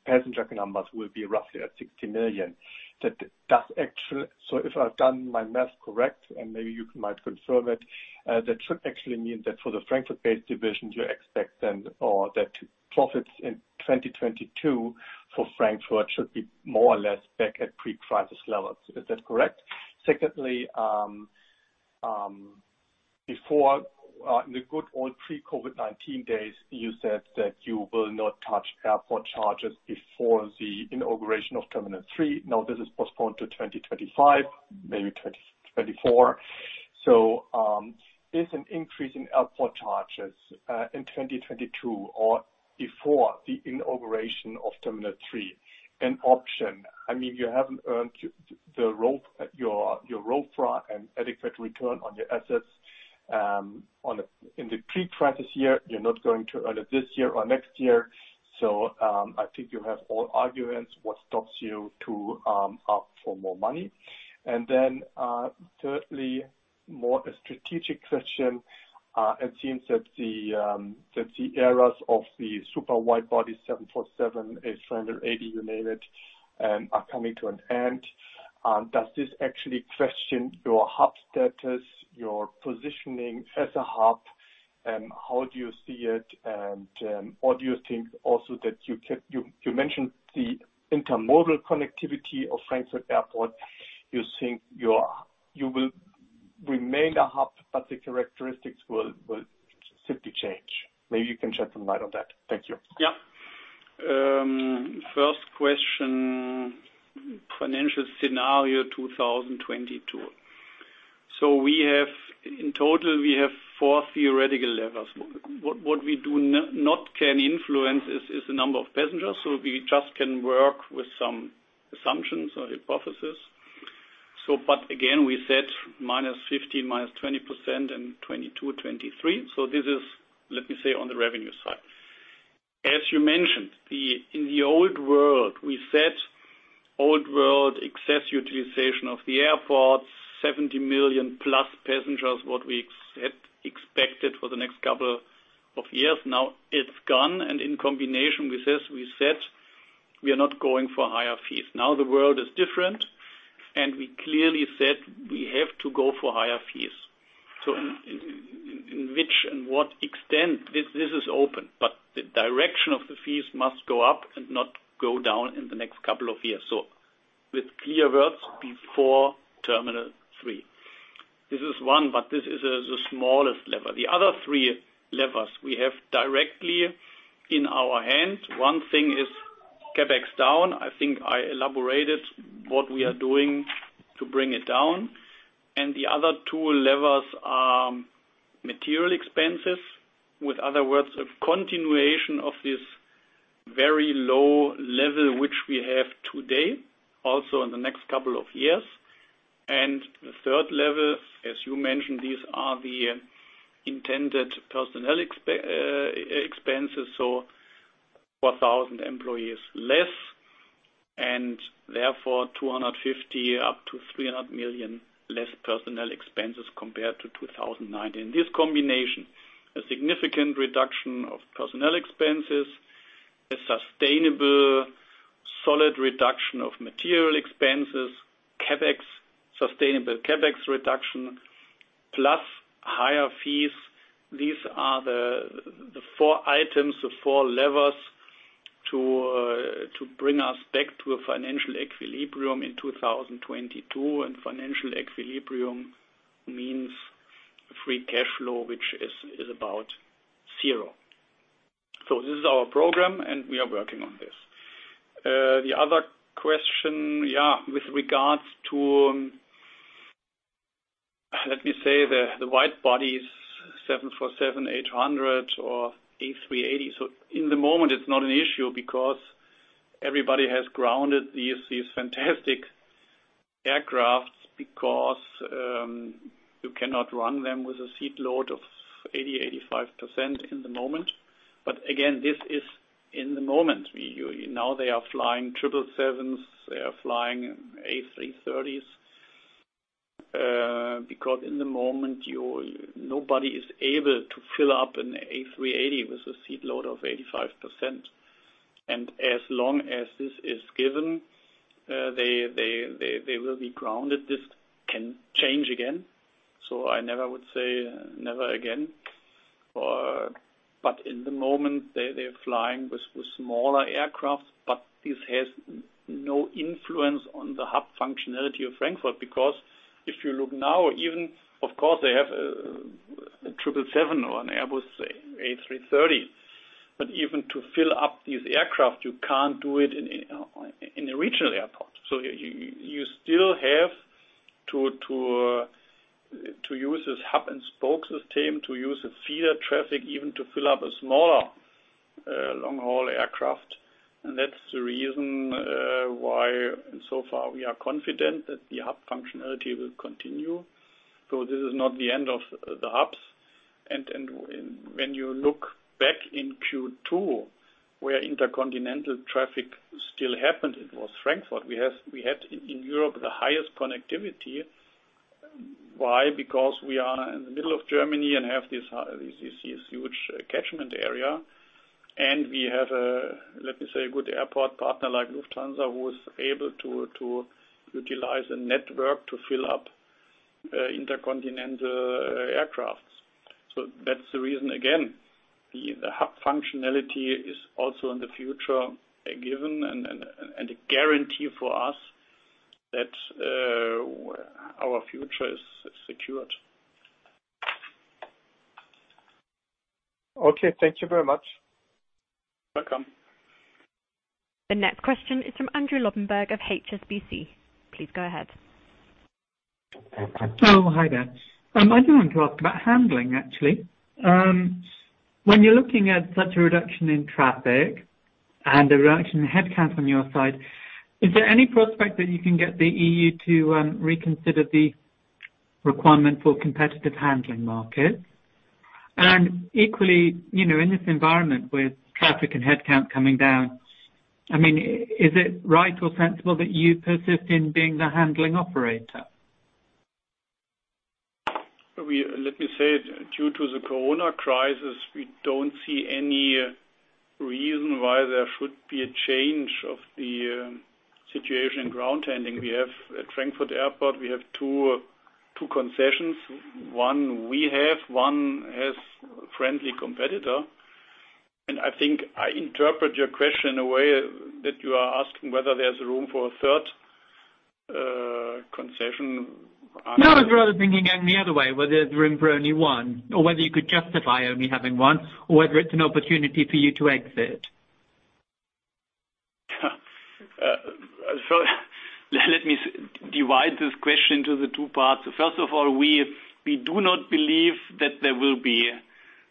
passenger numbers will be roughly at 60 million, that does actually so if I've done my math correct, and maybe you might confirm it, that should actually mean that for the Frankfurt-based division, you expect then that profits in 2022 for Frankfurt should be more or less back at pre-crisis levels. Is that correct? Secondly, before the good old pre-COVID-19 days, you said that you will not touch airport charges before the inauguration of Terminal 3. Now, this is postponed to 2025, maybe 2024, so is an increase in airport charges in 2022 or before the inauguration of Terminal 3 an option? I mean, you haven't earned a fair and adequate return on your assets in the pre-crisis year. You're not going to earn it this year or next year, so I think you have all arguments what stops you to ask for more money, and then thirdly, more a strategic question. It seems that the eras of the super wide-bodied 747, A380, you name it, are coming to an end. Does this actually question your hub status, your positioning as a hub, and how do you see it, and what do you think also that you mentioned the intermodal connectivity of Frankfurt Airport? You think you will remain a hub, but the characteristics will simply change. Maybe you can shed some light on that. Thank you. Yeah. First question, financial scenario 2022, so in total, we have four theoretical levels. What we do not can influence is the number of passengers, so we just can work with some assumptions or hypotheses. But again, we said -15%,-20% in 2022, 2023. So this is, let me say, on the revenue side. As you mentioned, in the old world, we said old world excess utilization of the airports, 70 million plus passengers, what we expected for the next couple of years. Now, it's gone. And in combination with this, we said we are not going for higher fees. Now, the world is different. And we clearly said we have to go for higher fees. So in which and what extent, this is open. But the direction of the fees must go up and not go down in the next couple of years. So with clear words before Terminal 3. This is one, but this is the smallest level. The other three levers we have directly in our hands. One thing is CapEx down. I think I elaborated what we are doing to bring it down. And the other two levers are material expenses. With other words, a continuation of this very low level which we have today, also in the next couple of years. And the third level, as you mentioned, these are the intended personnel expenses. So 4,000 employees less. And therefore, 250 million up to 300 million less personnel expenses compared to 2019. This combination, a significant reduction of personnel expenses, a sustainable solid reduction of material expenses, sustainable CapEx reduction, plus higher fees. These are the four items, the four levers to bring us back to a financial equilibrium in 2022. And financial equilibrium means free cash flow, which is about zero. So this is our program, and we are working on this. The other question, yeah, with regards to, let me say, the wide-bodies 747, 777, or A380. So, in the moment, it's not an issue because everybody has grounded these fantastic aircraft because you cannot run them with a seat load of 80%-85% in the moment. But again, this is in the moment. Now, they are flying 777s. They are flying A330s. Because in the moment, nobody is able to fill up an A380 with a seat load of 85%. And as long as this is given, they will be grounded. This can change again. So I never would say never again. But in the moment, they're flying with smaller aircraft. But this has no influence on the hub functionality of Frankfurt because if you look now, even, of course, they have a 777 or an Airbus A330. But even to fill up these aircraft, you can't do it in a regional airport. So you still have to use this hub and spoke system to use a feeder traffic even to fill up a smaller long-haul aircraft. And that's the reason why so far we are confident that the hub functionality will continue. So this is not the end of the hubs. And when you look back in Q2, where intercontinental traffic still happened, it was Frankfurt. We had in Europe the highest connectivity. Why? Because we are in the middle of Germany and have this huge catchment area. And we have, let me say, a good airport partner like Lufthansa who is able to utilize a network to fill up intercontinental aircrafts. So that's the reason. Again, the hub functionality is also in the future a given and a guarantee for us that our future is secured. Okay. Thank you very much. Welcome. The next question is from Andrew Lobbenberg of HSBC. Please go ahead. Hello. Hi there. I do want to ask about handling, actually. When you're looking at such a reduction in traffic and a reduction in headcount on your side, is there any prospect that you can get the EU to reconsider the requirement for competitive handling markets? And equally, in this environment with traffic and headcount coming down, I mean, is it right or sensible that you persist in being the handling operator? Let me say, due to the corona crisis, we don't see any reason why there should be a change of the situation in ground handling. At Frankfurt Airport, we have two concessions. One we have, one has a friendly competitor. And I think I interpret your question in a way that you are asking whether there's room for a third concession. No, I was rather thinking in the other way, whether there's room for only one, or whether you could justify only having one, or whether it's an opportunity for you to exit. So let me divide this question into the two parts. First of all, we do not believe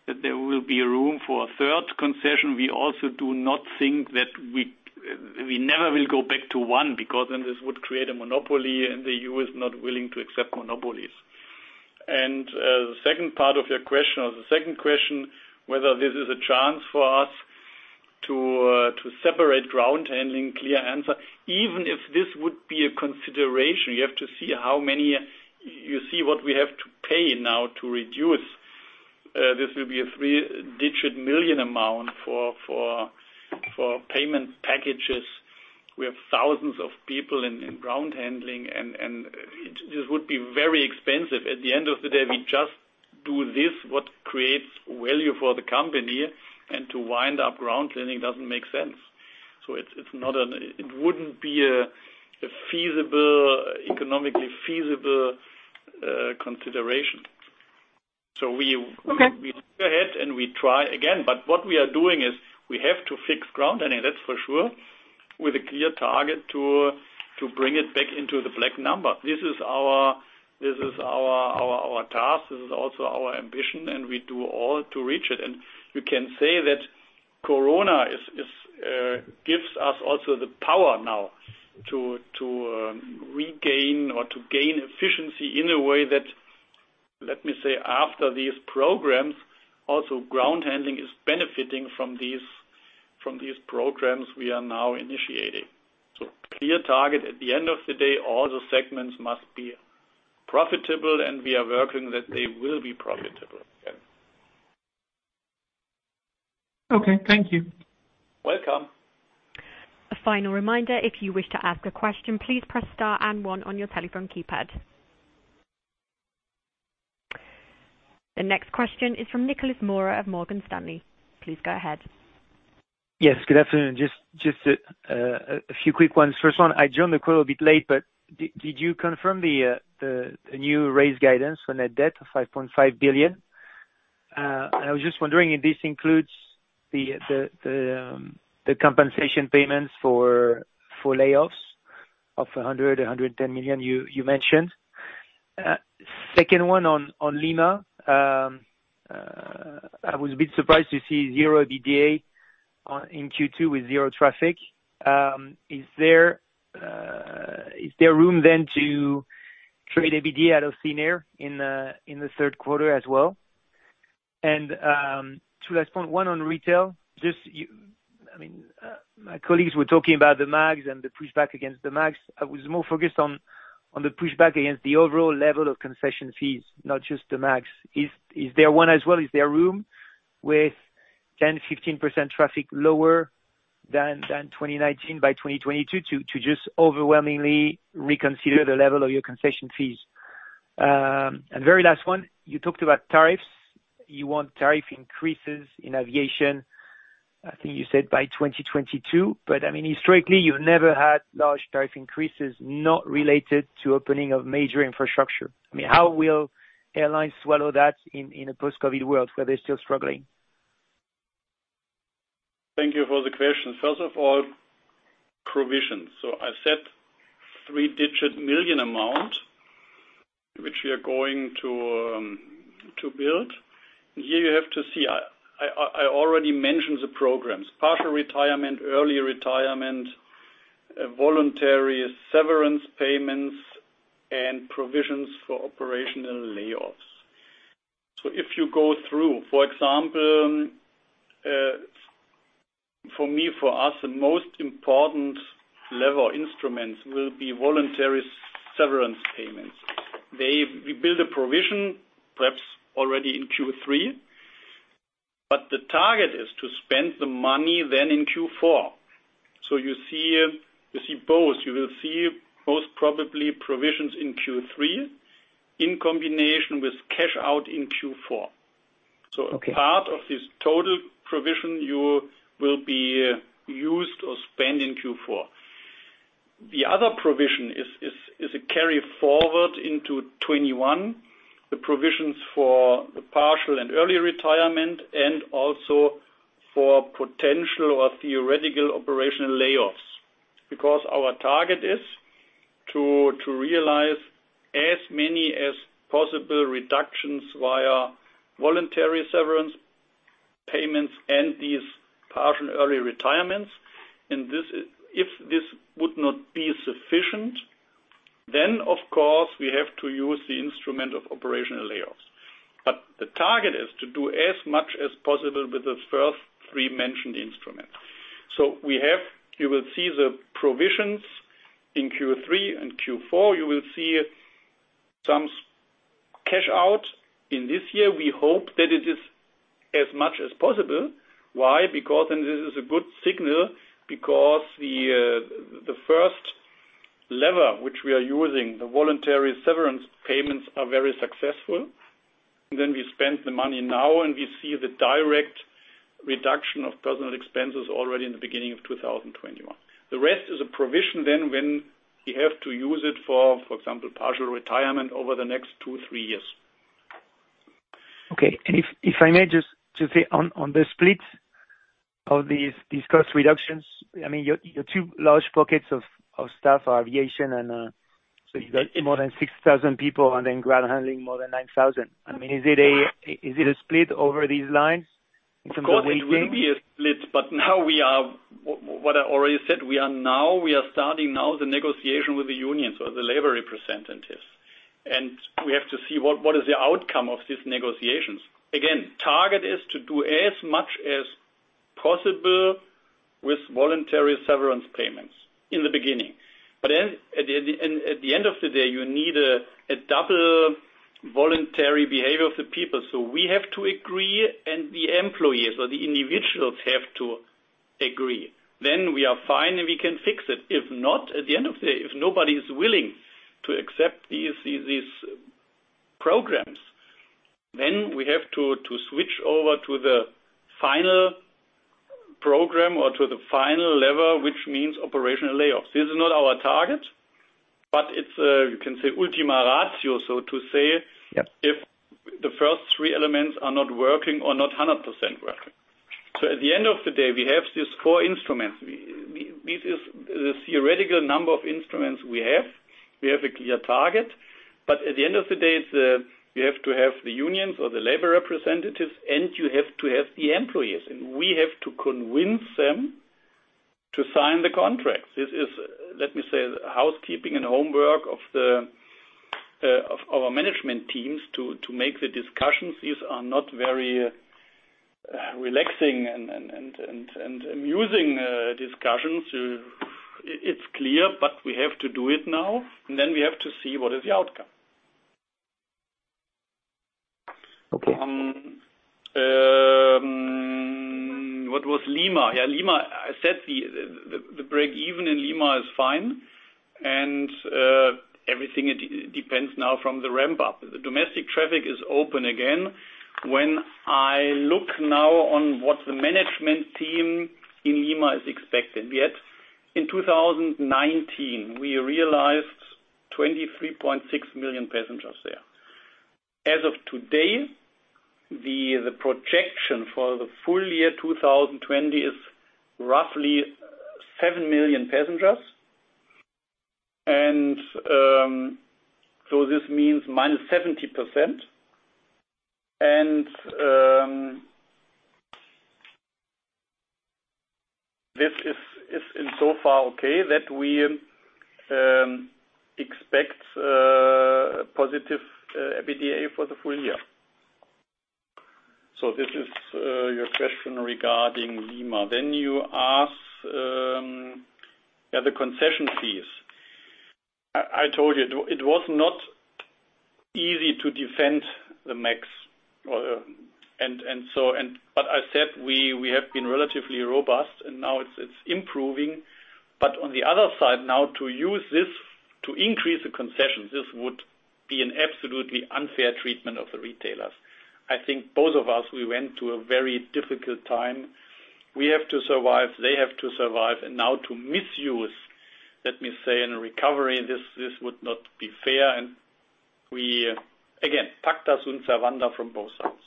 that there will be room for a third concession. We also do not think that we never will go back to one because then this would create a monopoly, and the EU is not willing to accept monopolies. And the second part of your question, or the second question, whether this is a chance for us to separate ground handling, clear answer. Even if this would be a consideration, you have to see how many you see what we have to pay now to reduce. This will be a three-digit million amount for payment packages. We have thousands of people in ground handling, and this would be very expensive. At the end of the day, we just do what creates value for the company. Winding up ground handling doesn't make sense. It wouldn't be an economically feasible consideration. We look ahead, and we try again. What we are doing is we have to fix ground handling, that's for sure, with a clear target to bring it back into the black. This is our task. This is also our ambition, and we do all to reach it. You can say that corona gives us also the power now to regain or to gain efficiency in a way that, let me say, after these programs, also ground handling is benefiting from these programs we are now initiating. Clear target. At the end of the day, all the segments must be profitable, and we are working that they will be profitable. Okay. Thank you. Welcome. A final reminder, if you wish to ask a question, please press star and one on your telephone keypad. The next question is from Nicolas Mora of Morgan Stanley. Please go ahead. Yes. Good afternoon. Just a few quick ones. First one, I joined the call a bit late, but did you confirm the new raise guidance on net debt of 5.5 billion? I was just wondering if this includes the compensation payments for layoffs of 100 million-110 million you mentioned. Second one on Lima, I was a bit surprised to see zero EBITDA in Q2 with zero traffic. Is there room then to create EBITDA out of thin air in the third quarter as well? And to last point, one on retail. Just, I mean, my colleagues were talking about the MAGs and the pushback against the MAGs. I was more focused on the pushback against the overall level of concession fees, not just the MAGs. Is there one as well? Is there room with 10%-15% traffic lower than 2019 by 2022 to just overwhelmingly reconsider the level of your concession fees? And very last one, you talked about tariffs. You want tariff increases in aviation. I think you said by 2022. But I mean, historically, you never had large tariff increases not related to opening of major infrastructure. I mean, how will airlines swallow that in a post-COVID world where they're still struggling? Thank you for the question. First of all, provisions. So I said three-digit million amount, which we are going to build. And here you have to see. I already mentioned the programs: partial retirement, early retirement, voluntary severance payments, and provisions for operational layoffs. So if you go through, for example, for me, for us, the most important level of instruments will be voluntary severance payments. We build a provision, perhaps already in Q3. But the target is to spend the money then in Q4. So you see both. You will see most probably provisions in Q3 in combination with cash out in Q4. So part of this total provision will be used or spent in Q4. The other provision is a carry forward into 2021, the provisions for the partial and early retirement, and also for potential or theoretical operational layoffs. Because our target is to realize as many as possible reductions via voluntary severance payments and these partial early retirements. If this would not be sufficient, then, of course, we have to use the instrument of operational layoffs. The target is to do as much as possible with the first three mentioned instruments. You will see the provisions in Q3 and Q4. You will see some cash out in this year. We hope that it is as much as possible. Why? Because this is a good signal because the first lever, which we are using, the voluntary severance payments, are very successful. Then we spend the money now, and we see the direct reduction of personnel expenses already in the beginning of 2021. The rest is a provision then when we have to use it for example, partial retirement over the next two, three years. Okay. And if I may just say, on the split of these cost reductions, I mean, your two large pockets of staff are aviation, and so you've got more than 6,000 people, and then ground handling more than 9,000. I mean, is it a split over these lines? It's a way to. Of course, it will be a split. But now we are what I already said, we are now starting the negotiation with the unions or the labor representatives. And we have to see what is the outcome of these negotiations. Again, the target is to do as much as possible with voluntary severance payments in the beginning. But at the end of the day, you need a double voluntary behavior of the people. So we have to agree, and the employees or the individuals have to agree. Then we are fine, and we can fix it. If not, at the end of the day, if nobody is willing to accept these programs, then we have to switch over to the final program or to the final lever, which means operational layoffs. This is not our target, but it's, you can say, ultima ratio, so to say, if the first three elements are not working or not 100% working, so at the end of the day, we have these four instruments. This is the theoretical number of instruments we have. We have a clear target, but at the end of the day, you have to have the unions or the labor representatives, and you have to have the employees, and we have to convince them to sign the contracts. This is, let me say, housekeeping and homework of our management teams to make the discussions. These are not very relaxing and amusing discussions. It's clear, but we have to do it now, and then we have to see what is the outcome. Okay. What was Lima? Yeah, Lima. I said the break even in Lima is fine, and everything depends now from the ramp-up. The domestic traffic is open again. When I look now on what the management team in Lima is expecting, we had in 2019, we realized 23.6 million passengers there. As of today, the projection for the full year 2020 is roughly seven million passengers, and so this means -70%. This is in so far okay that we expect positive EBITDA for the full year. This is your question regarding Lima. You asked the concession fees. I told you it was not easy to defend the MAGs, but I said we have been relatively robust, and now it's improving. But on the other side, now to use this to increase the concessions, this would be an absolutely unfair treatment of the retailers. I think both of us, we went through a very difficult time. We have to survive. They have to survive. And now to misuse, let me say, in a recovery, this would not be fair. And we, again, sandwiched from both sides.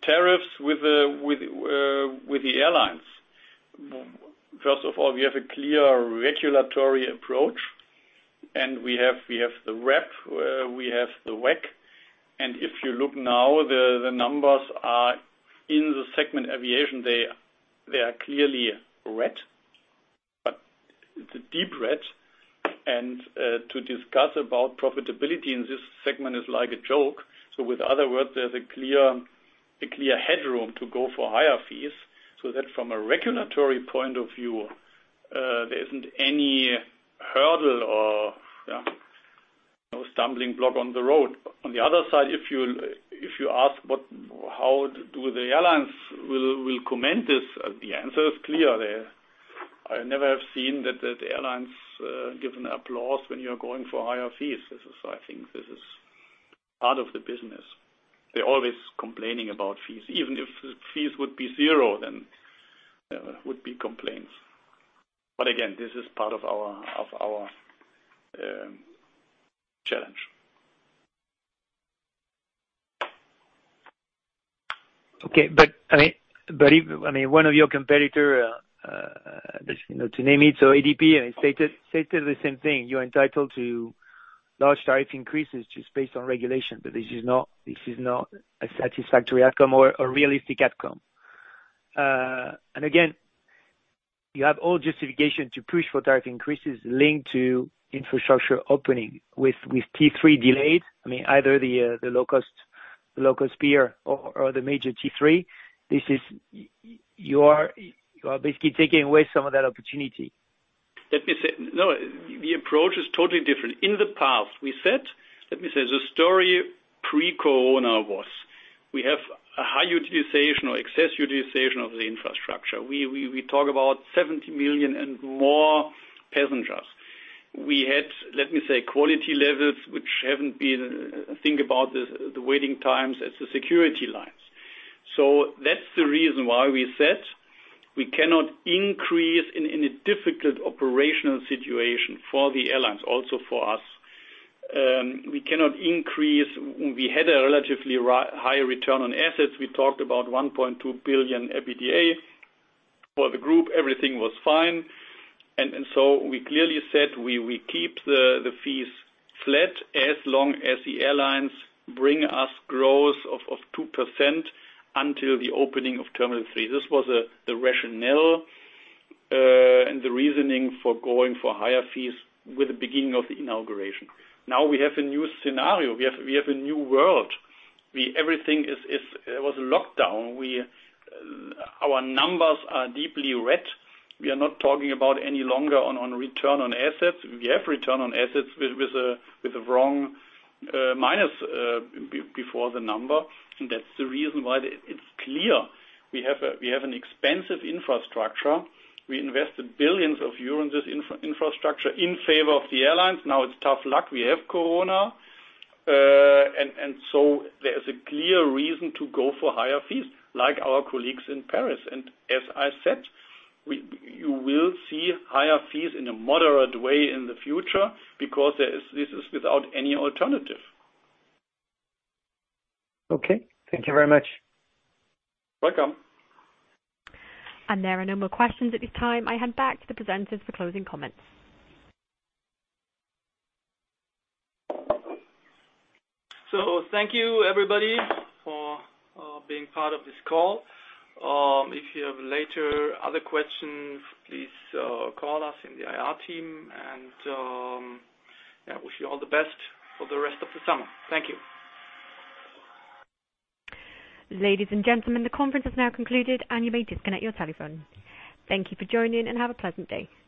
Tariffs with the airlines. First of all, we have a clear regulatory approach, and we have the RAB. We have the WACC. And if you look now, the numbers are in the segment aviation. They are clearly red, but it's a deep red. And to discuss about profitability in this segment is like a joke. So, in other words, there's a clear headroom to go for higher fees so that from a regulatory point of view, there isn't any hurdle or stumbling block on the road. On the other side, if you ask how do the airlines will comment this, the answer is clear. I never have seen that the airlines give an applause when you are going for higher fees. I think this is part of the business. They're always complaining about fees. Even if fees would be zero, then there would be complaints. But again, this is part of our challenge. Okay. But I mean, one of your competitors, to name it, so ADP, stated the same thing. You are entitled to large tariff increases just based on regulation, but this is not a satisfactory outcome or a realistic outcome. And again, you have all justification to push for tariff increases linked to infrastructure opening with T3 delayed. I mean, either the low-cost pier or the major T3, you are basically taking away some of that opportunity. Let me say, no, the approach is totally different. In the past, we said, let me say, the story pre-Corona was we have a high utilization or excess utilization of the infrastructure. We talk about 70 million and more passengers. We had, let me say, quality levels which haven't been. Think about the waiting times at the security lines. So that's the reason why we said we cannot increase in a difficult operational situation for the airlines, also for us. We cannot increase. We had a relatively high return on assets. We talked about 1.2 billion EBITDA for the group. Everything was fine. And so we clearly said we keep the fees flat as long as the airlines bring us growth of 2% until the opening of Terminal 3. This was the rationale and the reasoning for going for higher fees with the beginning of the inauguration. Now we have a new scenario. We have a new world. Everything was a lockdown. Our numbers are deeply red. We are not talking about any longer on return on assets. We have return on assets with a wrong minus before the number. And that's the reason why it's clear. We have an expensive infrastructure. We invested billions of euros in this infrastructure in favor of the airlines. Now it's tough luck. We have Corona. And so there is a clear reason to go for higher fees, like our colleagues in Paris. And as I said, you will see higher fees in a moderate way in the future because this is without any alternative. Okay. Thank you very much. Welcome. And there are no more questions at this time. I hand back to the presenters for closing comments. So thank you, everybody, for being part of this call. If you have later other questions, please call us in the IR team. And I wish you all the best for the rest of the summer. Thank you. Ladies and gentlemen, the conference has now concluded, and you may disconnect your telephone. Thank you for joining, and have a pleasant day. Goodbye.